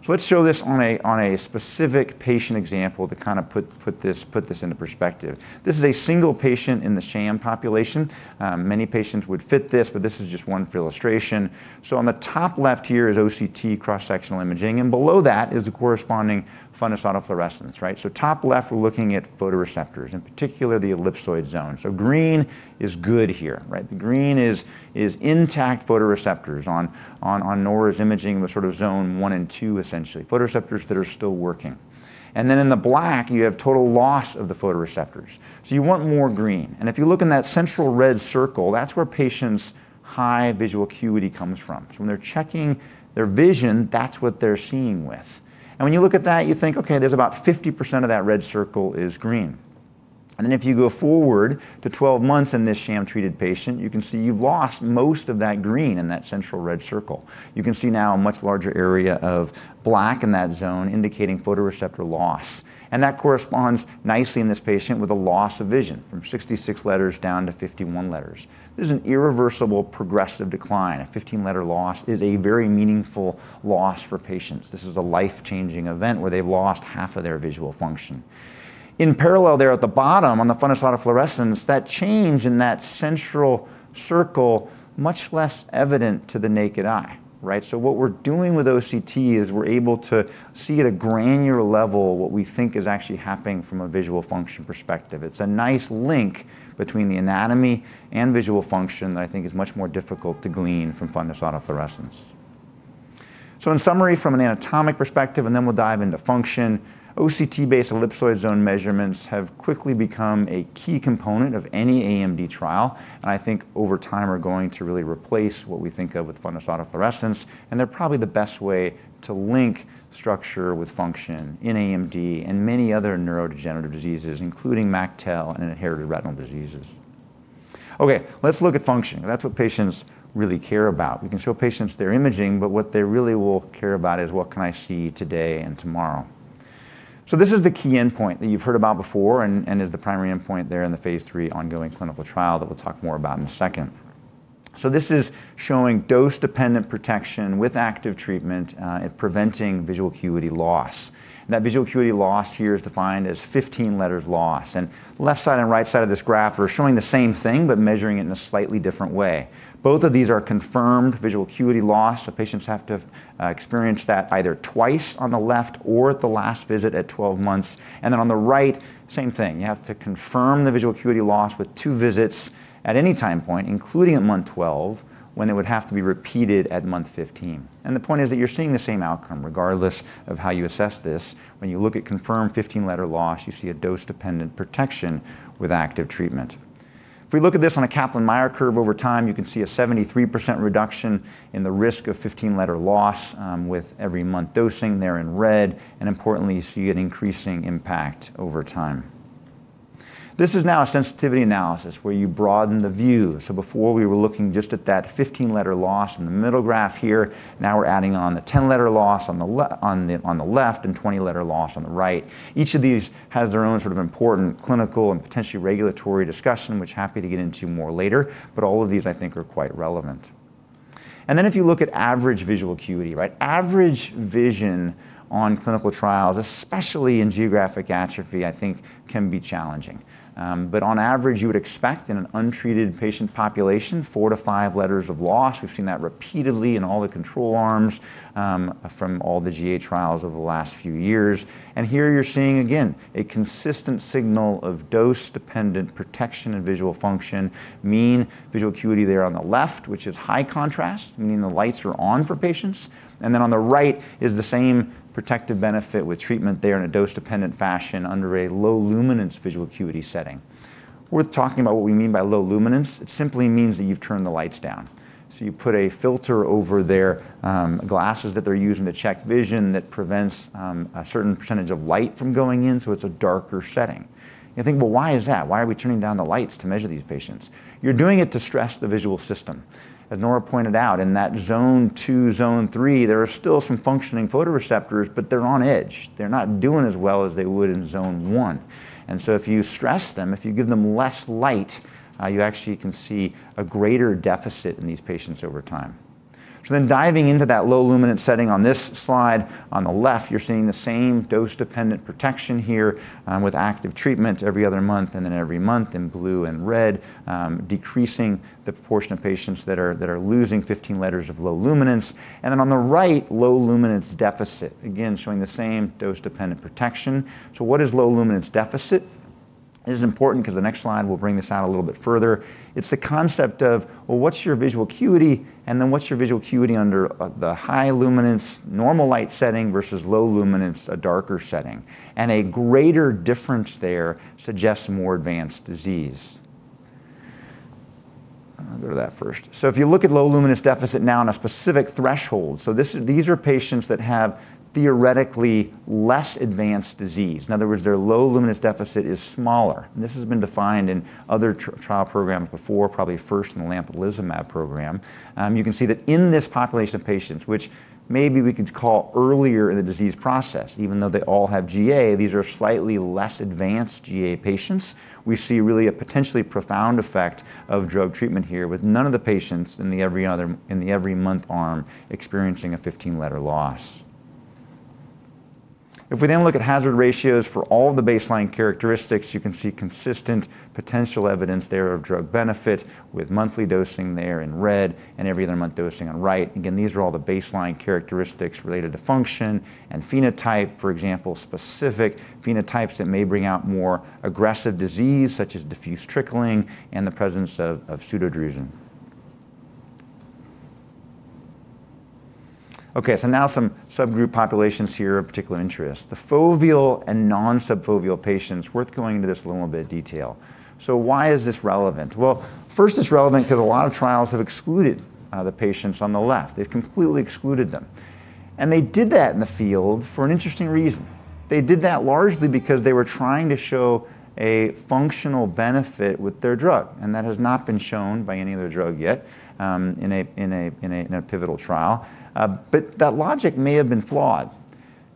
Speaker 4: Let's show this on a specific patient example to kind of put this into perspective. This is a single patient in the sham population. Many patients would fit this, but this is just one for illustration. On the top left here is OCT cross-sectional imaging, and below that is the corresponding fundus autofluorescence, right? Top left, we're looking at photoreceptors, in particular the ellipsoid zone. Green is good here, right? The green is intact photoreceptors on Nora Lad's imaging, the sort of zone one and two, essentially, photoreceptors that are still working. Then in the black, you have total loss of the photoreceptors. You want more green. If you look in that central red circle, that's where patients' high visual acuity comes from. When they're checking their vision, that's what they're seeing with. When you look at that, you think, "Okay, there's about 50% of that red circle is green." Then if you go forward to 12 months in this sham-treated patient, you can see you've lost most of that green in that central red circle. You can see now a much larger area of black in that zone indicating photoreceptor loss. That corresponds nicely in this patient with a loss of vision from 66 letters down to 51 letters. This is an irreversible progressive decline. A 15-letter loss is a very meaningful loss for patients. This is a life-changing event where they've lost half of their visual function. In parallel there at the bottom on the fundus autofluorescence, that change in that central circle much less evident to the naked eye, right? What we're doing with OCT is we're able to see at a granular level what we think is actually happening from a visual function perspective. It's a nice link between the anatomy and visual function that I think is much more difficult to glean from fundus autofluorescence. In summary, from an anatomic perspective, and then we'll dive into function, OCT-based ellipsoid zone measurements have quickly become a key component of any AMD trial, and I think over time are going to really replace what we think of with fundus autofluorescence. They're probably the best way to link structure with function in AMD and many other neurodegenerative diseases, including MacTel and inherited retinal diseases. Okay, let's look at function. That's what patients really care about. We can show patients their imaging, but what they really will care about is what can I see today and tomorrow. This is the key endpoint that you've heard about before and is the primary endpoint there in the phase III ongoing clinical trial that we'll talk more about in a second. This is showing dose-dependent protection with active treatment at preventing visual acuity loss. That visual acuity loss here is defined as 15 letters lost. Left side and right side of this graph are showing the same thing, but measuring it in a slightly different way. Both of these are confirmed visual acuity loss, so patients have to have experienced that either twice on the left or at the last visit at 12 months. Then on the right, same thing. You have to confirm the visual acuity loss with two visits at any time point, including at month 12, when it would have to be repeated at month 15. The point is that you're seeing the same outcome regardless of how you assess this. When you look at confirmed 15-letter loss, you see a dose-dependent protection with active treatment. If we look at this on a Kaplan-Meier curve over time, you can see a 73% reduction in the risk of 15-letter loss, with every month dosing there in red, and importantly, you see an increasing impact over time. This is now a sensitivity analysis where you broaden the view. Before we were looking just at that 15-letter loss in the middle graph here, now we're adding on the 10-letter loss on the left and 20-letter loss on the right. Each of these has their own sort of important clinical and potentially regulatory discussion, which I'm happy to get into more later, but all of these I think are quite relevant. Then if you look at average visual acuity, right? Average vision on clinical trials, especially in geographic atrophy, I think can be challenging. But on average, you would expect in an untreated patient population, four to five letters of loss. We've seen that repeatedly in all the control arms, from all the GA trials over the last few years. Here you're seeing again, a consistent signal of dose-dependent protection and visual function, mean visual acuity there on the left, which is high contrast, meaning the lights are on for patients. Then on the right is the same protective benefit with treatment there in a dose-dependent fashion under a low luminance visual acuity setting. Worth talking about what we mean by low luminance. It simply means that you've turned the lights down. You put a filter over their glasses that they're using to check vision that prevents a certain percentage of light from going in, so it's a darker setting. You think, "Well, why is that? Why are we turning down the lights to measure these patients?" You're doing it to stress the visual system. As Nora Lad pointed out, in that zone two, zone three, there are still some functioning photoreceptors, but they're on edge. They're not doing as well as they would in zone one. If you stress them, if you give them less light, you actually can see a greater deficit in these patients over time. Diving into that low luminance setting on this slide, on the left, you're seeing the same dose-dependent protection here, with active treatment every other month and then every month in blue and red, decreasing the portion of patients that are losing 15 letters of low luminance. On the right, low luminance deficit, again, showing the same dose-dependent protection. What is low luminance deficit? This is important because the next slide will bring this out a little bit further. It's the concept of, well, what's your visual acuity, and then what's your visual acuity under the high luminance normal light setting versus low luminance, a darker setting. A greater difference there suggests more advanced disease. I'll go to that first. If you look at low luminance deficit now in a specific threshold, these are patients that have theoretically less advanced disease. In other words, their low luminance deficit is smaller. This has been defined in other trial programs before, probably first in the lampalizumab program. You can see that in this population of patients, which maybe we could call earlier in the disease process, even though they all have GA, these are slightly less advanced GA patients. We see really a potentially profound effect of drug treatment here with none of the patients in the every month arm experiencing a 15-letter loss. If we then look at hazard ratios for all the baseline characteristics, you can see consistent potential evidence there of drug benefit with monthly dosing there in red and every other month dosing on right. Again, these are all the baseline characteristics related to function and phenotype, for example, specific phenotypes that may bring out more aggressive disease, such as diffuse-trickling and the presence of pseudodrusen. Okay, now some subgroup populations here of particular interest. The foveal and non-subfoveal patients, worth going into this a little bit of detail. Why is this relevant? Well, first, it's relevant because a lot of trials have excluded the patients on the left. They've completely excluded them. They did that in the field for an interesting reason. They did that largely because they were trying to show a functional benefit with their drug, and that has not been shown by any other drug yet in a pivotal trial. That logic may have been flawed,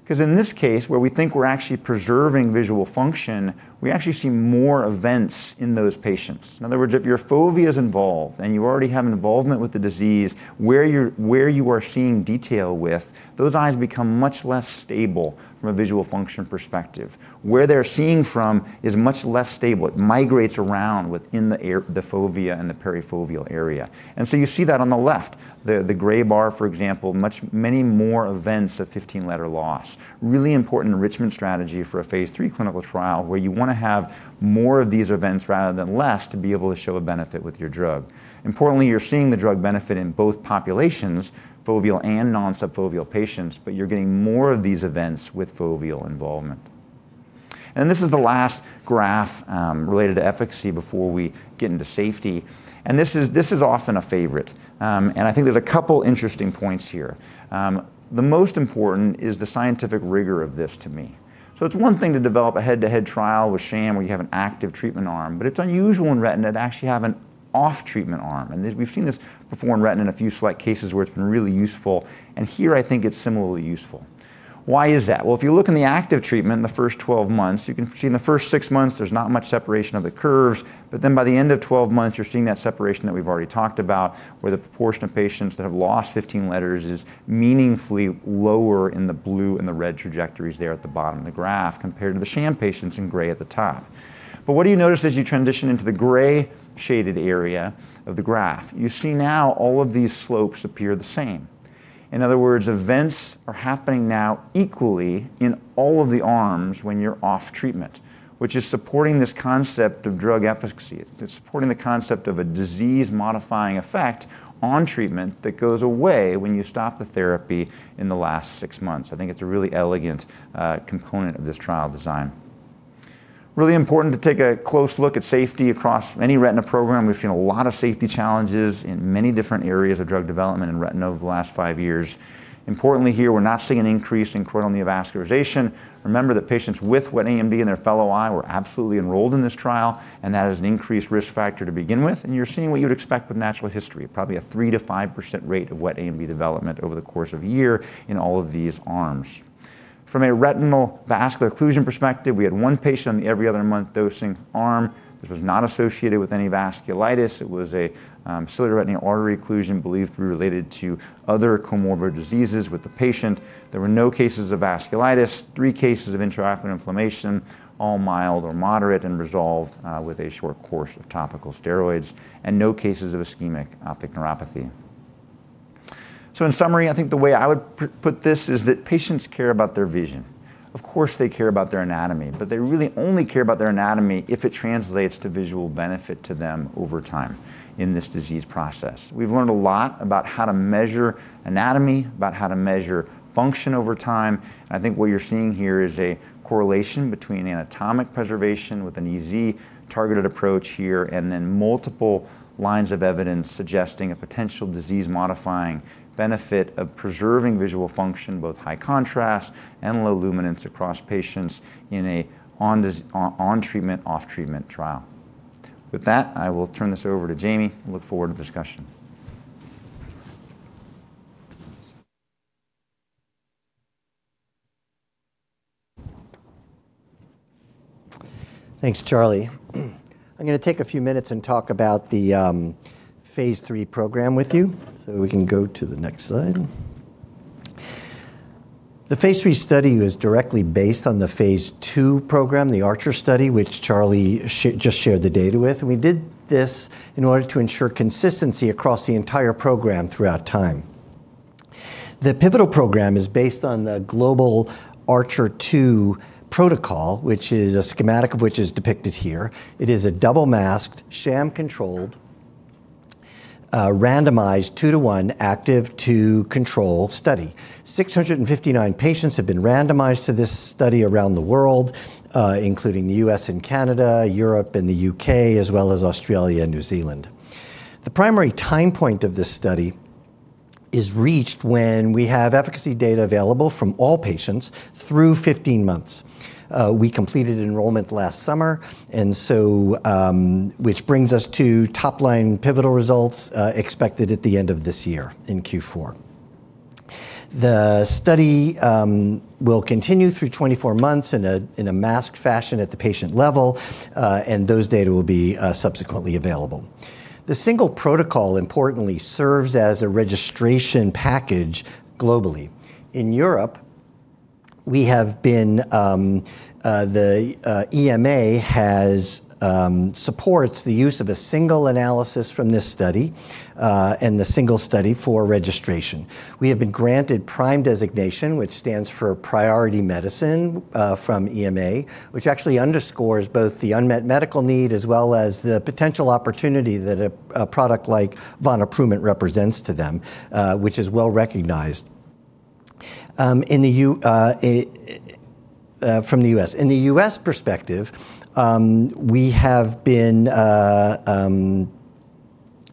Speaker 4: because in this case, where we think we're actually preserving visual function, we actually see more events in those patients. In other words, if your fovea is involved and you already have an involvement with the disease, where you are seeing detail with, those eyes become much less stable from a visual function perspective. Where they're seeing from is much less stable. It migrates around within the fovea and the perifoveal area. You see that on the left. The gray bar, for example, many more events of 15-letter loss. Really important enrichment strategy for a phase III clinical trial where you wanna have more of these events rather than less to be able to show a benefit with your drug. Importantly, you're seeing the drug benefit in both populations, foveal and non-subfoveal patients, but you're getting more of these events with foveal involvement. This is the last graph related to efficacy before we get into safety. This is often a favorite. I think there's a couple interesting points here. The most important is the scientific rigor of this to me. It's one thing to develop a head-to-head trial with sham where you have an active treatment arm, but it's unusual in retina to actually have an off treatment arm. We've seen this before in retina in a few select cases where it's been really useful, and here I think it's similarly useful. Why is that? Well, if you look in the active treatment in the first 12 months, you can see in the first six months there's not much separation of the curves, but then by the end of 12 months, you're seeing that separation that we've already talked about where the proportion of patients that have lost 15 letters is meaningfully lower in the blue and the red trajectories there at the bottom of the graph compared to the sham patients in gray at the top. What do you notice as you transition into the gray shaded area of the graph? You see now all of these slopes appear the same. In other words, events are happening now equally in all of the arms when you're off treatment, which is supporting this concept of drug efficacy. It's supporting the concept of a disease-modifying effect on treatment that goes away when you stop the therapy in the last six months. I think it's a really elegant component of this trial design. Really important to take a close look at safety across any retina program. We've seen a lot of safety challenges in many different areas of drug development in retina over the last five years. Importantly here, we're not seeing an increase in choroidal neovascularization. Remember that patients with wet AMD in their fellow eye were absolutely enrolled in this trial, and that is an increased risk factor to begin with, and you're seeing what you'd expect with natural history, probably a 3%-5% rate of wet AMD development over the course of a year in all of these arms. From a retinal vascular occlusion perspective, we had one patient on the every other month dosing arm that was not associated with any vasculitis. It was a central retinal artery occlusion believed to be related to other comorbid diseases with the patient. There were no cases of vasculitis, three cases of intraocular inflammation, all mild or moderate and resolved with a short course of topical steroids, and no cases of ischemic optic neuropathy. In summary, I think the way I would put this is that patients care about their vision. Of course, they care about their anatomy, but they really only care about their anatomy if it translates to visual benefit to them over time in this disease process. We've learned a lot about how to measure anatomy, about how to measure function over time. I think what you're seeing here is a correlation between anatomic preservation with an EZ-targeted approach here, and then multiple lines of evidence suggesting a potential disease-modifying benefit of preserving visual function, both high contrast and low luminance across patients in a on-treatment/off-treatment trial. With that, I will turn this over to Jamie and look forward to discussion.
Speaker 5: Thanks, Charlie. I'm gonna take a few minutes and talk about the phase III program with you. We can go to the next slide. The phase III study was directly based on the phase II program, the ARCHER study, which Charlie just shared the data with. We did this in order to ensure consistency across the entire program throughout time. The pivotal program is based on the global ARCHER II protocol, which is a schematic of which is depicted here. It is a double-masked, sham-controlled, randomized two to one active-to-control study. 659 patients have been randomized to this study around the world, including the U.S. and Canada, Europe and the U.K., as well as Australia and New Zealand. The primary time point of this study is reached when we have efficacy data available from all patients through 15 months. We completed enrollment last summer, which brings us to top-line pivotal results expected at the end of this year in Q4. The study will continue through 24 months in a masked fashion at the patient level, and those data will be subsequently available. The single protocol importantly serves as a registration package globally. In Europe, the EMA supports the use of a single analysis from this study, and the single study for registration. We have been granted PRIME designation, which stands for priority medicine, from EMA, which actually underscores both the unmet medical need as well as the potential opportunity that a product like vonoprument represents to them, which is well-recognized in the U.S. In the U.S. perspective, we have been.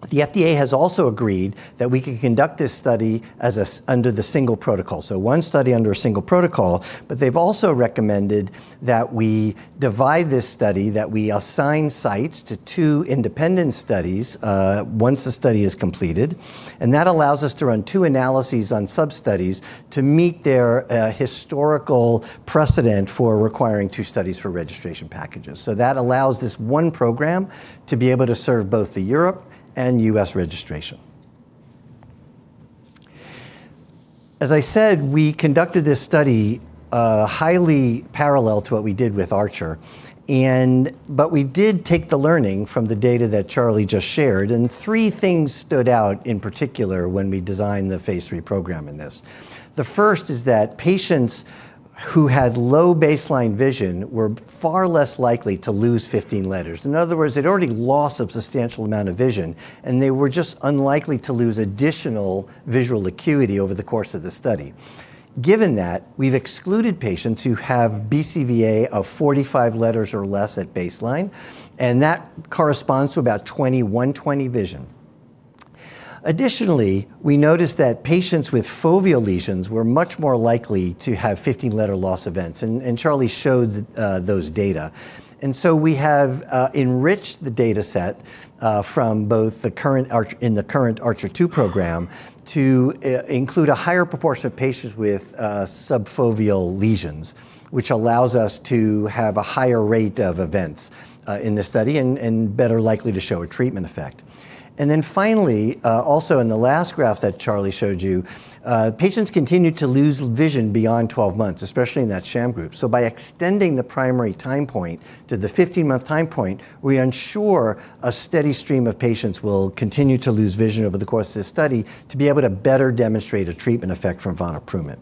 Speaker 5: The FDA has also agreed that we can conduct this study under the single protocol. One study under a single protocol, but they've also recommended that we divide this study, that we assign sites to two independent studies, once the study is completed, and that allows us to run two analyses on sub-studies to meet their historical precedent for requiring two studies for registration packages. That allows this one program to be able to serve both the European and U.S. registration. As I said, we conducted this study, highly parallel to what we did with ARCHER, but we did take the learning from the data that Charles just shared, and three things stood out in particular when we designed the phase III program in this. The first is that patients who had low baseline vision were far less likely to lose 15 letters. In other words, they'd already lost a substantial amount of vision, and they were just unlikely to lose additional visual acuity over the course of the study. Given that, we've excluded patients who have BCVA of 45 letters or less at baseline, and that corresponds to about 20/20 vision. Additionally, we noticed that patients with foveal lesions were much more likely to have 15-letter loss events, and Charles Wykoff showed those data. We have enriched the data set in the current ARCHER II program to include a higher proportion of patients with subfoveal lesions, which allows us to have a higher rate of events in this study and better likely to show a treatment effect. Finally, also in the last graph that Charles Wykoff showed you, patients continued to lose vision beyond 12 months, especially in that sham group. By extending the primary time point to the 15-month time point, we ensure a steady stream of patients will continue to lose vision over the course of this study to be able to better demonstrate a treatment effect from vonoprument.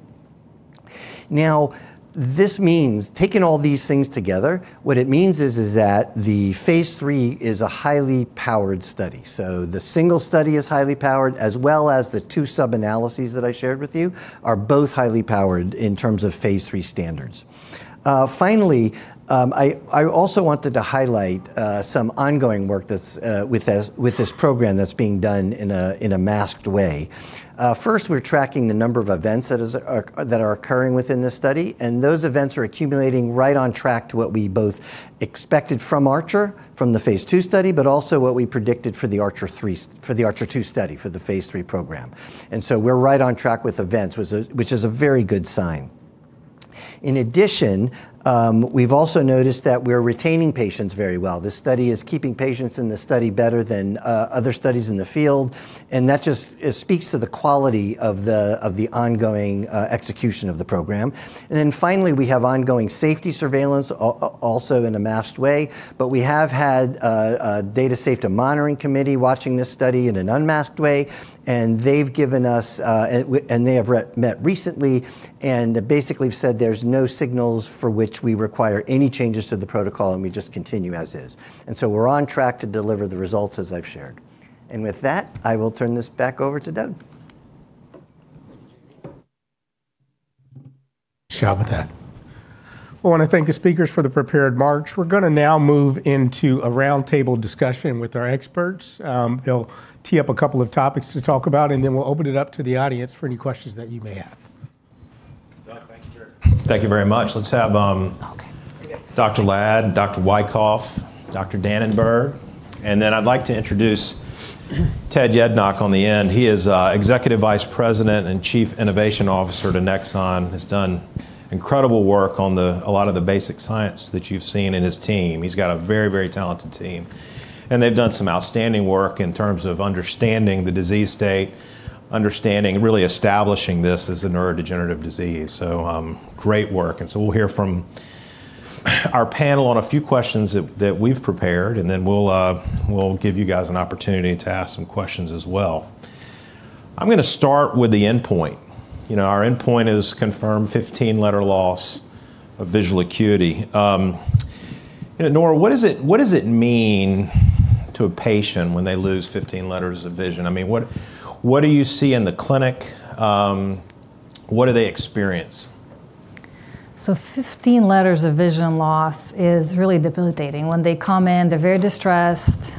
Speaker 5: Now, this means, taking all these things together, what it means is that the phase III is a highly powered study. The single study is highly powered, as well as the two sub-analyses that I shared with you are both highly powered in terms of phase III standards. Finally, I also wanted to highlight some ongoing work that's with this program that's being done in a masked way. First, we're tracking the number of events that are occurring within this study, and those events are accumulating right on track to what we both expected from ARCHER, from the phase II study, but also what we predicted for the ARCHER II study, for the phase III program. We're right on track with events, which is a very good sign. In addition, we've also noticed that we're retaining patients very well. This study is keeping patients in the study better than other studies in the field, and that just speaks to the quality of the ongoing execution of the program. Then finally, we have ongoing safety surveillance also in a masked way, but we have had a data safety monitoring committee watching this study in an unmasked way, and they've given us, and they have met recently and basically have said there's no signals for which we require any changes to the protocol, and we just continue as is. We're on track to deliver the results as I've shared. With that, I will turn this back over to Doug.
Speaker 1: Nice job with that. Well, I wanna thank the speakers for the prepared remarks. We're gonna now move into a roundtable discussion with our experts. They'll tee up a couple of topics to talk about, and then we'll open it up to the audience for any questions that you may have.
Speaker 2: Doug, thank you. Thank you very much.
Speaker 3: Okay.
Speaker 2: Dr. Lad, Dr. Wykoff, Dr. Danenberg, and then I'd like to introduce Ted Yednock on the end. He is Executive Vice President and Chief Innovation Officer of Annexon, has done incredible work on a lot of the basic science that you've seen in his team. He's got a very talented team, and they've done some outstanding work in terms of understanding the disease state, understanding and really establishing this as a neurodegenerative disease. Great work. We'll hear from our panel on a few questions that we've prepared, and then we'll give you guys an opportunity to ask some questions as well. I'm gonna start with the endpoint. You know, our endpoint is confirmed 15-letter loss of visual acuity. You know, Nora, what does it mean to a patient when they lose 15 letters of vision? I mean, what do you see in the clinic? What do they experience?
Speaker 3: 15-letters of vision loss is really debilitating. When they come in, they're very distressed.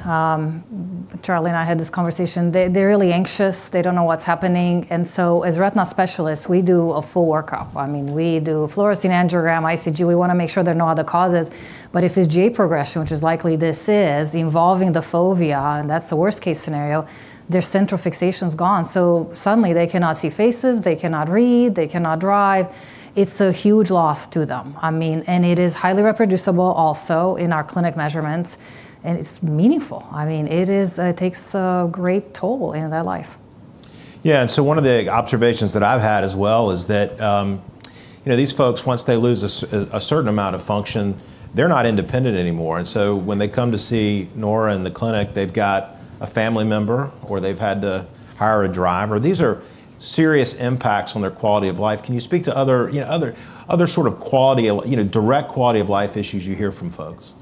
Speaker 3: Charles Wykoff and I had this conversation. They're really anxious. They don't know what's happening. As retina specialists, we do a full workup. I mean, we do fluorescein angiogram, ICG. We wanna make sure there are no other causes. But if it's GA progression, which is likely this is, involving the fovea, and that's the worst case scenario, their central fixation's gone. Suddenly they cannot see faces. They cannot read. They cannot drive. It's a huge loss to them. I mean, it is highly reproducible also in our clinic measurements, and it's meaningful. I mean, it takes a great toll in their life.
Speaker 2: Yeah. One of the observations that I've had as well is that, you know, these folks, once they lose a certain amount of function, they're not independent anymore. When they come to see Nora in the clinic, they've got a family member, or they've had to hire a driver. These are serious impacts on their quality of life. Can you speak to other, you know, sort of direct quality of life issues you hear from folks?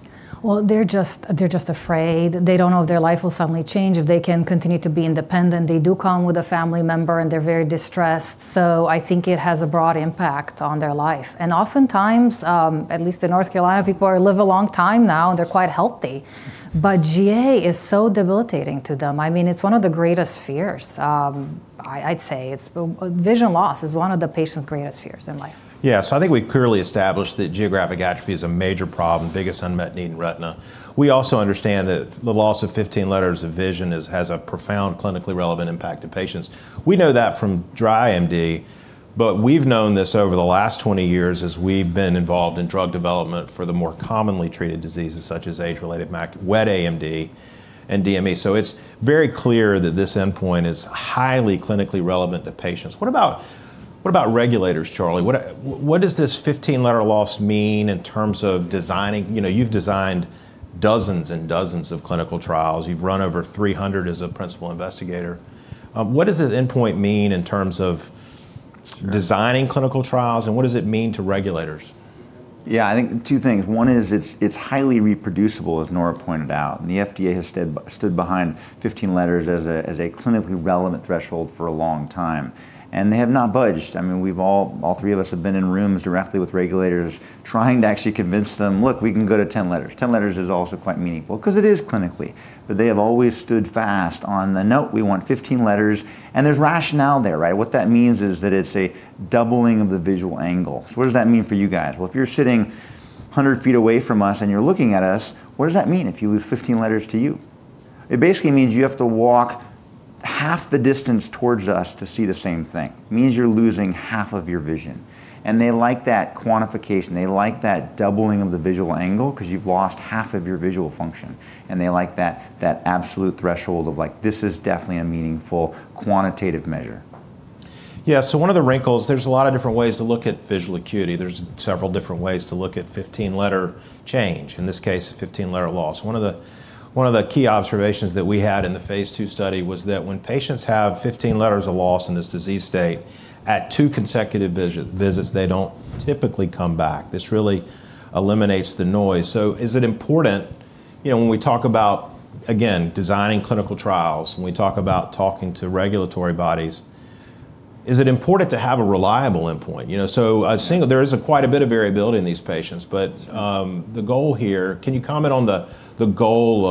Speaker 3: Well, they're just afraid. They don't know if their life will suddenly change, if they can continue to be independent. They do come with a family member, and they're very distressed. I think it has a broad impact on their life. Oftentimes, at least in North Carolina, people live a long time now, and they're quite healthy. GA is so debilitating to them. I mean, it's one of the greatest fears, I'd say. Vision loss is one of the patient's greatest fears in life.
Speaker 2: Yeah. I think we've clearly established that geographic atrophy is a major problem, biggest unmet need in retina. We also understand that the loss of 15 letters of vision is, has a profound clinically relevant impact to patients. We know that from dry AMD, but we've known this over the last 20 years as we've been involved in drug development for the more commonly treated diseases, such as age-related mac, wet AMD and DME. It's very clear that this endpoint is highly clinically relevant to patients. What about regulators, Charlie? What does this 15 letter loss mean in terms of designing? You know, you've designed dozens and dozens of clinical trials. You've run over 300 as a principal investigator. What does this endpoint mean in terms of designing clinical trials, and what does it mean to regulators?
Speaker 4: Yeah, I think two things. One is it's highly reproducible, as Nora pointed out, and the FDA has stood behind 15 letters as a clinically relevant threshold for a long time, and they have not budged. I mean, we've all three of us have been in rooms directly with regulators trying to actually convince them, "Look, we can go to 10 letters. 10 letters is also quite meaningful," 'cause it is clinically. But they have always stood fast on the, "Nope, we want 15 letters." There's rationale there, right? What that means is that it's a doubling of the visual angle. So what does that mean for you guys? Well, if you're sitting 100 ft away from us and you're looking at us, what does that mean if you lose 15 letters to you? It basically means you have to walk half the distance towards us to see the same thing, means you're losing half of your vision, and they like that quantification. They like that doubling of the visual angle because you've lost half of your visual function, and they like that absolute threshold of like this is definitely a meaningful quantitative measure.
Speaker 2: Yeah, one of the wrinkles. There's a lot of different ways to look at visual acuity. There's several different ways to look at 15-letter change, in this case, a 15-letter loss. One of the key observations that we had in the phase II study was that when patients have 15 letters of loss in this disease state at two consecutive visits, they don't typically come back. This really eliminates the noise. Is it important, you know, when we talk about, again, designing clinical trials, when we talk about talking to regulatory bodies, is it important to have a reliable endpoint? You know, there is quite a bit of variability in these patients, but the goal here, can you comment on the goal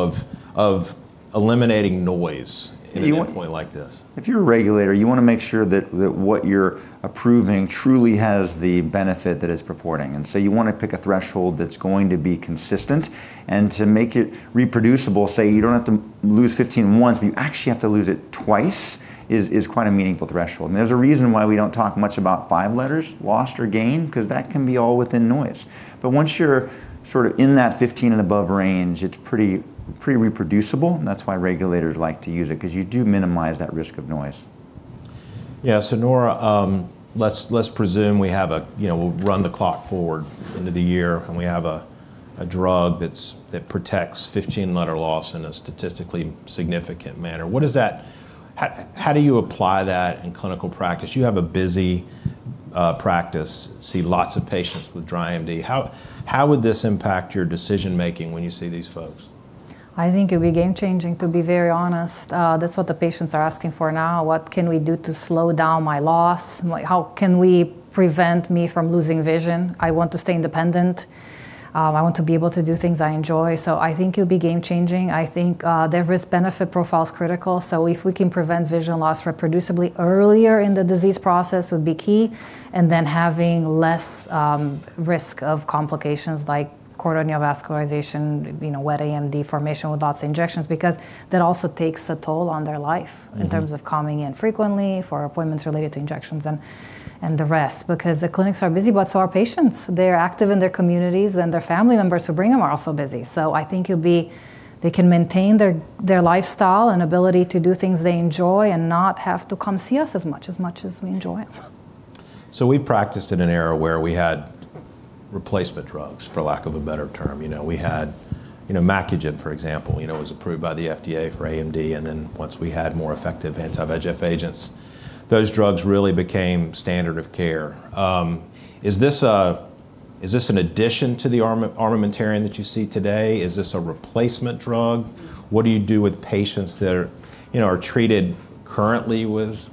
Speaker 2: of eliminating noise in an endpoint like this?
Speaker 4: If you're a regulator, you wanna make sure that what you're approving truly has the benefit that it's purporting, and so you wanna pick a threshold that's going to be consistent. To make it reproducible, say you don't have to lose 15 once, but you actually have to lose it twice, is quite a meaningful threshold. There's a reason why we don't talk much about five letters lost or gained, 'cause that can be all within noise. Once you're sort of in that 15 and above range, it's pretty reproducible, and that's why regulators like to use it, 'cause you do minimize that risk of noise.
Speaker 2: Yeah. Nora, let's presume we have a, you know, we'll run the clock forward into the year and we have a drug that protects 15-letter loss in a statistically significant manner. What does that? How do you apply that in clinical practice? You have a busy practice, see lots of patients with dry AMD. How would this impact your decision-making when you see these folks?
Speaker 3: I think it'd be game changing, to be very honest. That's what the patients are asking for now. What can we do to slow down my loss? How can we prevent me from losing vision? I want to stay independent. I want to be able to do things I enjoy. I think it'll be game changing. I think, their risk-benefit profile is critical, so if we can prevent vision loss reproducibly earlier in the disease process would be key, and then having less, risk of complications like choroidal neovascularization, you know, wet AMD formation with lots of injections because that also takes a toll on their life.
Speaker 2: Mm-hmm
Speaker 3: In terms of coming in frequently for appointments related to injections and the rest because the clinics are busy, but so are patients. They're active in their communities, and their family members who bring them are also busy. I think it'll be they can maintain their lifestyle and ability to do things they enjoy and not have to come see us as much as we enjoy it.
Speaker 2: We practiced in an era where we had replacement drugs, for lack of a better term. You know, we had, you know, Macugen, for example. You know, it was approved by the FDA for AMD, and then once we had more effective anti-VEGF agents, those drugs really became standard of care. Is this an addition to the armamentarium that you see today? Is this a replacement drug? What do you do with patients that are, you know, are treated currently with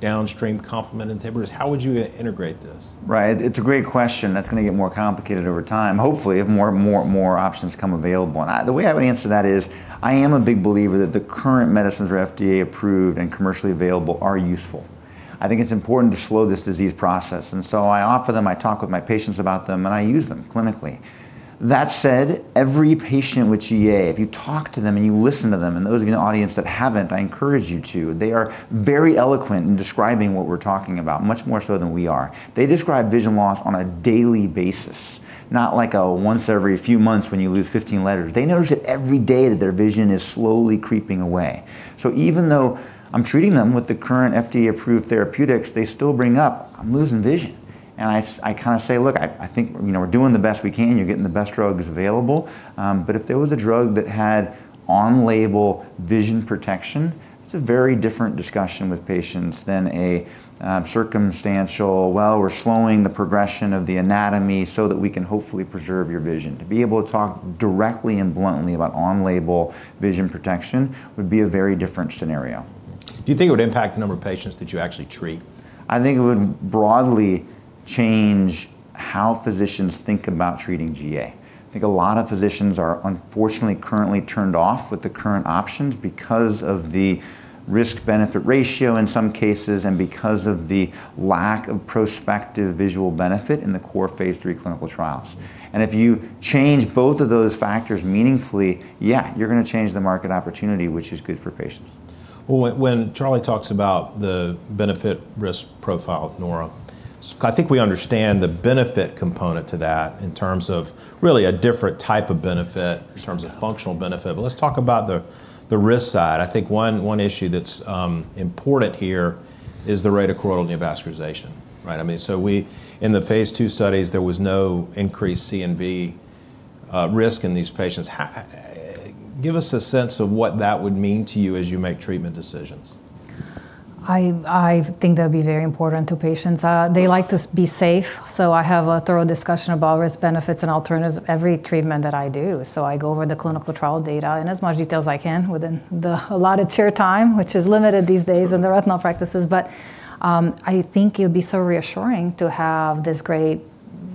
Speaker 2: downstream complement inhibitors? How would you integrate this?
Speaker 4: Right. It's a great question. That's gonna get more complicated over time, hopefully if more options become available. The way I would answer that is I am a big believer that the current medicines that are FDA approved and commercially available are useful. I think it's important to slow this disease process, and so I offer them, I talk with my patients about them, and I use them clinically. That said, every patient with GA, if you talk to them and you listen to them, and those in the audience that haven't, I encourage you to, they are very eloquent in describing what we're talking about, much more so than we are. They describe vision loss on a daily basis, not like a once every few months when you lose 15 letters. They notice it every day that their vision is slowly creeping away. Even though I'm treating them with the current FDA-approved therapeutics, they still bring up, "I'm losing vision." I kind of say, "Look, I think, you know, we're doing the best we can. You're getting the best drugs available." If there was a drug that had on-label vision protection, it's a very different discussion with patients than a circumstantial, "Well, we're slowing the progression of the anatomy so that we can hopefully preserve your vision." To be able to talk directly and bluntly about on-label vision protection would be a very different scenario.
Speaker 2: Do you think it would impact the number of patients that you actually treat?
Speaker 4: I think it would broadly change how physicians think about treating GA. I think a lot of physicians are unfortunately currently turned off with the current options because of the risk-benefit ratio in some cases and because of the lack of prospective visual benefit in the core phase III clinical trials. If you change both of those factors meaningfully, yeah, you're gonna change the market opportunity, which is good for patients.
Speaker 2: Well, when Charles talks about the benefit-risk profile, Nora, I think we understand the benefit component to that in terms of really a different type of benefit in terms of functional benefit, let's talk about the risk side. I think one issue that's important here is the rate of choroidal neovascularization, right? I mean, in the phase II studies, there was no increased CNV risk in these patients. Give us a sense of what that would mean to you as you make treatment decisions.
Speaker 3: I think that'll be very important to patients. They like to be safe, so I have a thorough discussion about risk, benefits, and alternatives every treatment that I do. I go over the clinical trial data in as much details I can within the allotted chair time, which is limited these days in the retinal practices. I think it'll be so reassuring to have this great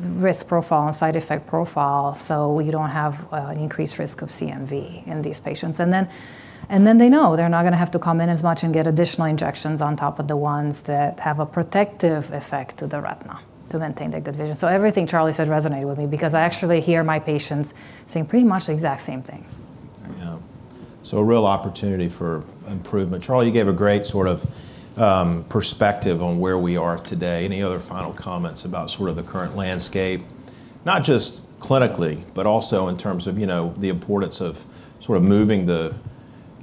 Speaker 3: risk profile and side effect profile so you don't have an increased risk of CNV in these patients. Then they know they're not gonna have to come in as much and get additional injections on top of the ones that have a protective effect to the retina to maintain their good vision. Everything Charlie said resonated with me because I actually hear my patients saying pretty much the exact same things.
Speaker 2: Yeah. A real opportunity for improvement. Charlie, you gave a great sort of perspective on where we are today. Any other final comments about sort of the current landscape? Not just clinically, but also in terms of, you know, the importance of sort of moving the-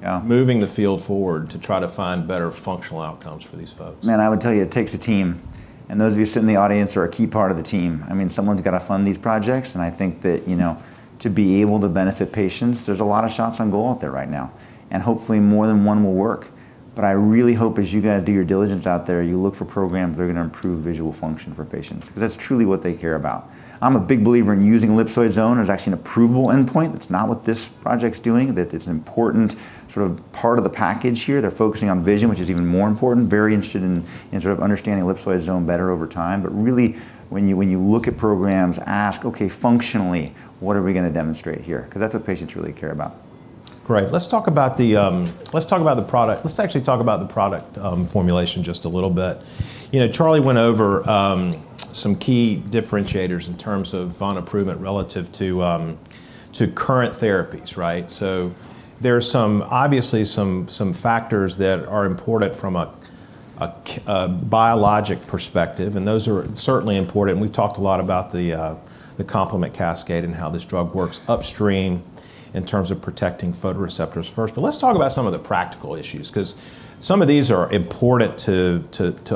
Speaker 4: Yeah
Speaker 2: Moving the field forward to try to find better functional outcomes for these folks.
Speaker 4: Man, I would tell you it takes a team, and those of you sit in the audience are a key part of the team. I mean, someone's gotta fund these projects, and I think that, you know, to be able to benefit patients, there's a lot of shots on goal out there right now, and hopefully more than one will work. I really hope as you guys do your diligence out there, you look for programs that are gonna improve visual function for patients 'cause that's truly what they care about. I'm a big believer in using ellipsoid zone. There's actually an approvable endpoint. That's not what this project's doing. That it's an important sort of part of the package here. They're focusing on vision, which is even more important. Very interested in sort of understanding ellipsoid zone better over time. Really, when you look at programs, ask, "Okay, functionally, what are we gonna demonstrate here?" 'Cause that's what patients really care about.
Speaker 2: Great. Let's talk about the product. Let's actually talk about the product formulation just a little bit. You know, Charles Wykoff went over some key differentiators in terms of vonaprument improvement relative to current therapies, right? There are some obviously factors that are important from a biologic perspective, and those are certainly important, and we've talked a lot about the complement cascade and how this drug works upstream in terms of protecting photoreceptors first. Let's talk about some of the practical issues 'cause some of these are important to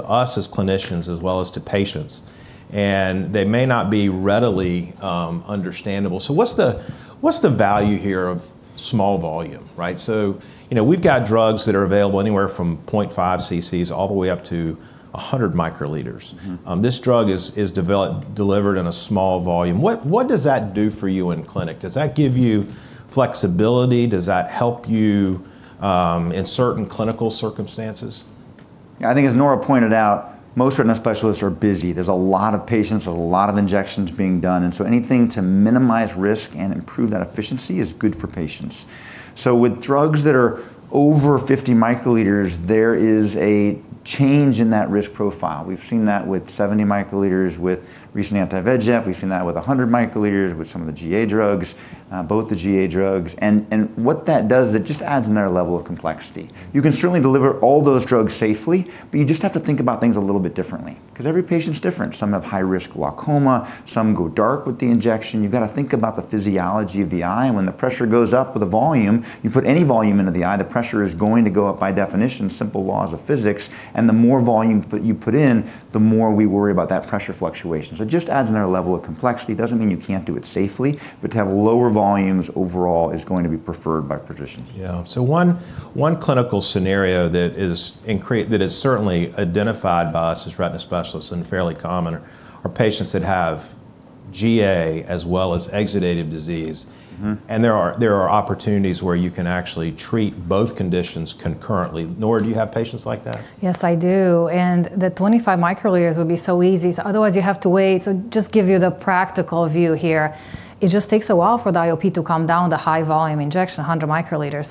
Speaker 2: us as clinicians as well as to patients, and they may not be readily understandable. What's the value here of small volume, right? You know, we've got drugs that are available anywhere from 0.5 cc's all the way up to 100 microliters.
Speaker 4: Mm-hmm.
Speaker 2: This drug is delivered in a small volume. What does that do for you in clinic? Does that give you flexibility? Does that help you in certain clinical circumstances?
Speaker 4: I think as Nora Lad pointed out, most retina specialists are busy. There's a lot of patients with a lot of injections being done, and so anything to minimize risk and improve that efficiency is good for patients. With drugs that are over 50 microliters, there is a change in that risk profile. We've seen that with 70 microliters with recent anti-VEGF. We've seen that with 100 microliters with some of the GA drugs, both the GA drugs. What that does is it just adds another level of complexity. You can certainly deliver all those drugs safely, but you just have to think about things a little bit differently. 'Cause every patient's different. Some have high risk glaucoma. Some go dark with the injection. You've gotta think about the physiology of the eye, and when the pressure goes up with the volume, you put any volume into the eye, the pressure is going to go up by definition, simple laws of physics, and the more volume that you put in, the more we worry about that pressure fluctuation. It just adds another level of complexity. Doesn't mean you can't do it safely, but to have lower volumes overall is going to be preferred by physicians.
Speaker 2: One clinical scenario that is certainly identified by us as retina specialists and fairly common are patients that have GA as well as exudative disease.
Speaker 4: Mm-hmm.
Speaker 2: There are opportunities where you can actually treat both conditions concurrently. Eleonora Lad, do you have patients like that?
Speaker 3: Yes, I do. The 25 microliters would be so easy. Otherwise you have to wait. Just give you the practical view here. It just takes a while for the IOP to come down with a high volume injection, 100 microliters.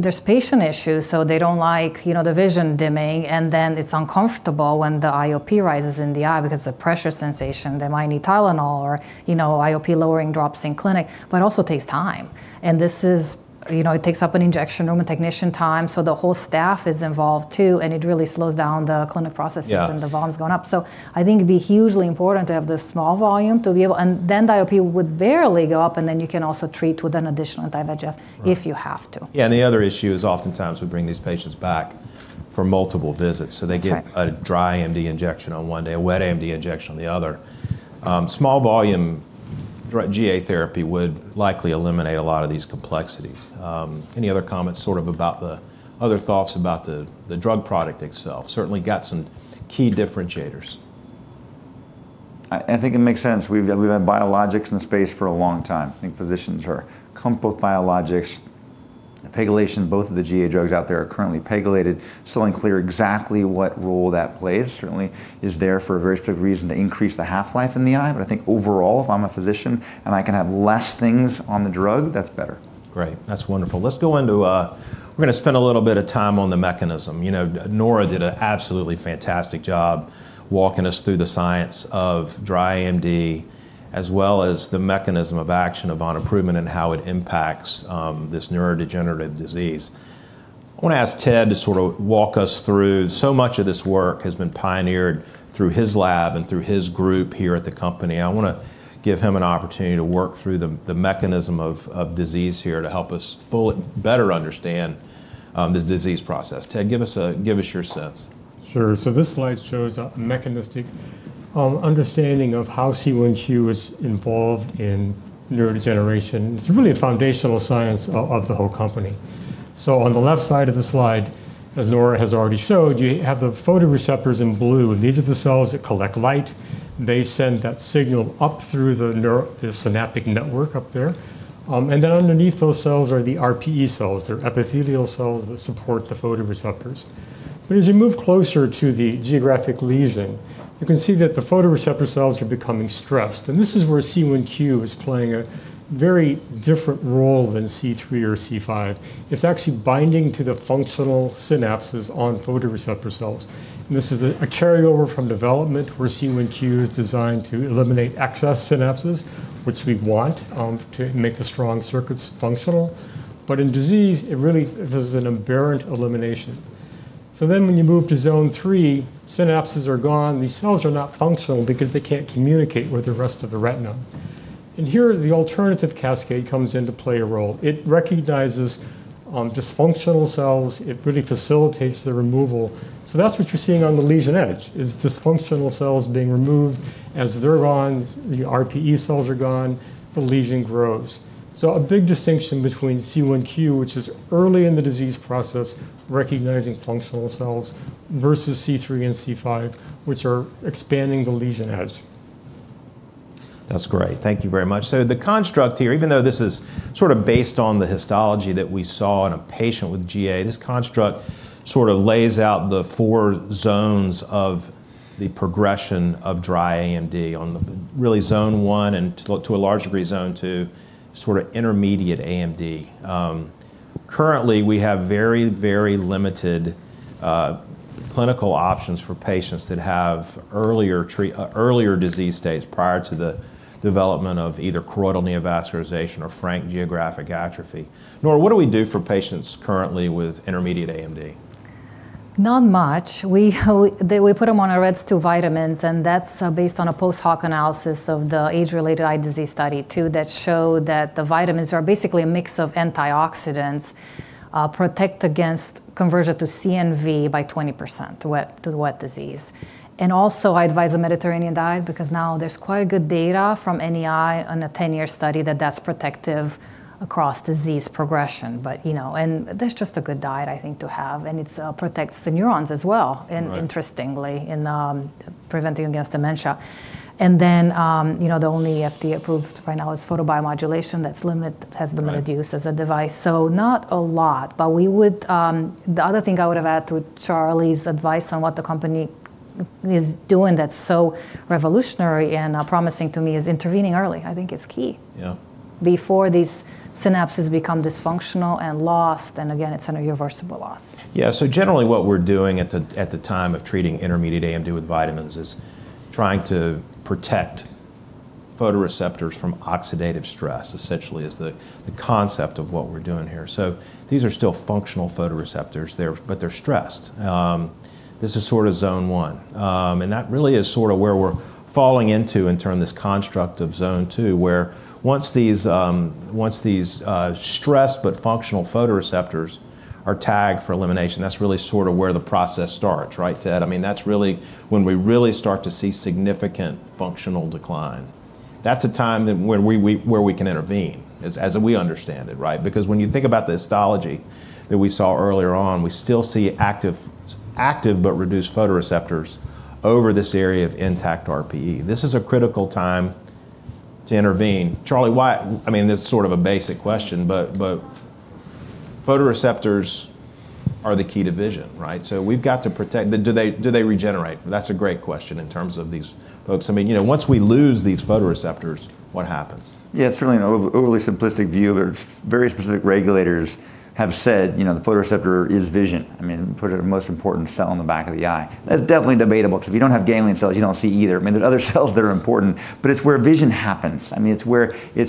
Speaker 3: There's patient issues, so they don't like, you know, the vision dimming, and then it's uncomfortable when the IOP rises in the eye because the pressure sensation, they might need Tylenol or, you know, IOP lowering drops in clinic, but it also takes time. This is, you know, it takes up an injection room and technician time, so the whole staff is involved too, and it really slows down the clinic processes.
Speaker 2: Yeah
Speaker 3: The volume's gone up. I think it'd be hugely important to have the small volume. The IOP would barely go up, and then you can also treat with an additional anti-VEGF.
Speaker 2: Right
Speaker 3: If you have to.
Speaker 2: Yeah, the other issue is oftentimes we bring these patients back for multiple visits, so they get-
Speaker 3: That's right....
Speaker 2: a dry AMD injection on one day, a wet AMD injection on the other. Small volume GA therapy would likely eliminate a lot of these complexities. Any other comments sort of about the other thoughts about the drug product itself? Certainly got some key differentiators.
Speaker 4: I think it makes sense. We've had biologics in the space for a long time. I think physicians are comfortable with biologics. PEGylation, both of the GA drugs out there are currently PEGylated. Still unclear exactly what role that plays. Certainly is there for a very specific reason to increase the half-life in the eye. I think overall if I'm a physician and I can have less things on the drug, that's better.
Speaker 2: Great. That's wonderful. Let's go into. We're gonna spend a little bit of time on the mechanism. You know, Nora did an absolutely fantastic job walking us through the science of dry AMD as well as the mechanism of action of vonaprument and how it impacts this neurodegenerative disease. I wanna ask Ted to sort of walk us through. Much of this work has been pioneered through his lab and through his group here at the company. I wanna give him an opportunity to work through the mechanism of disease here to help us fully better understand this disease process. Ted, give us your sense.
Speaker 6: Sure. This slide shows a mechanistic understanding of how C1q is involved in neurodegeneration. It's really a foundational science of the whole company. On the left side of the slide, as Nora has already showed, you have the photoreceptors in blue. These are the cells that collect light. They send that signal up through the synaptic network up there. Underneath those cells are the RPE cells. They're epithelial cells that support the photoreceptors. As you move closer to the geographic lesion, you can see that the photoreceptor cells are becoming stressed, and this is where C1q is playing a very different role than C3 or C5. It's actually binding to the functional synapses on photoreceptor cells. This is a carryover from development where C1q is designed to eliminate excess synapses, which we want to make the strong circuits functional. In disease, it really is an aberrant elimination. When you move to zone three, synapses are gone. These cells are not functional because they can't communicate with the rest of the retina. Here, the alternative cascade comes into play a role. It recognizes dysfunctional cells. It really facilitates the removal. That's what you're seeing on the lesion edge is dysfunctional cells being removed. As they're gone, the RPE cells are gone, the lesion grows. A big distinction between C1q, which is early in the disease process, recognizing functional cells, versus C3 and C5, which are expanding the lesion edge.
Speaker 2: That's great. Thank you very much. The construct here, even though this is sort of based on the histology that we saw in a patient with GA, this construct sort of lays out the four zones of the progression of dry AMD in the early zone one and, to a large degree, zone two sort of intermediate AMD. Currently, we have very, very limited clinical options for patients that have earlier disease states prior to the development of either choroidal neovascularization or frank geographic atrophy. Nora, what do we do for patients currently with intermediate AMD?
Speaker 3: Not much. We put them on AREDS2 vitamins, and that's based on a post hoc analysis of the Age-Related Eye Disease Study 2 that show that the vitamins are basically a mix of antioxidants protect against conversion to CNV by 20%, to wet, to the wet disease. Also, I advise a Mediterranean diet because now there's quite good data from NEI on a 10-year study that that's protective across disease progression. You know, and that's just a good diet, I think, to have, and it protects the neurons as well.
Speaker 2: Right
Speaker 3: Interestingly in preventing against dementia. The only FDA-approved right now is photobiomodulation that's limited.
Speaker 2: Right
Speaker 3: use as a device. Not a lot, but we would. The other thing I would have to add to Charles's advice on what the company is doing that's so revolutionary and promising to me is intervening early I think is key.
Speaker 2: Yeah
Speaker 3: Before these synapses become dysfunctional and lost, and again, it's an irreversible loss.
Speaker 2: Yeah. Generally, what we're doing at the time of treating intermediate AMD with vitamins is trying to protect photoreceptors from oxidative stress essentially is the concept of what we're doing here. These are still functional photoreceptors. They're stressed. This is sort of zone one. That really is sort of where we're falling into, in turn, this construct of zone two, where once these stressed but functional photoreceptors are tagged for elimination, that's really sort of where the process starts, right, Ted? I mean, that's really when we start to see significant functional decline. That's a time when we can intervene as we understand it, right? Because when you think about the histology that we saw earlier on, we still see active but reduced photoreceptors over this area of intact RPE. This is a critical time to intervene. Charles, I mean, this is sort of a basic question, but photoreceptors are the key to vision, right? So we've got to protect. Do they regenerate? That's a great question in terms of these folks. I mean, you know, once we lose these photoreceptors, what happens?
Speaker 4: Yeah. It's really an overly simplistic view, but very specific regulators have said, you know, the photoreceptor is vision. I mean, put it, the most important cell in the back of the eye. That's definitely debatable, 'cause if you don't have ganglion cells, you don't see either. I mean, there are other cells that are important, but it's where vision happens. I mean, it's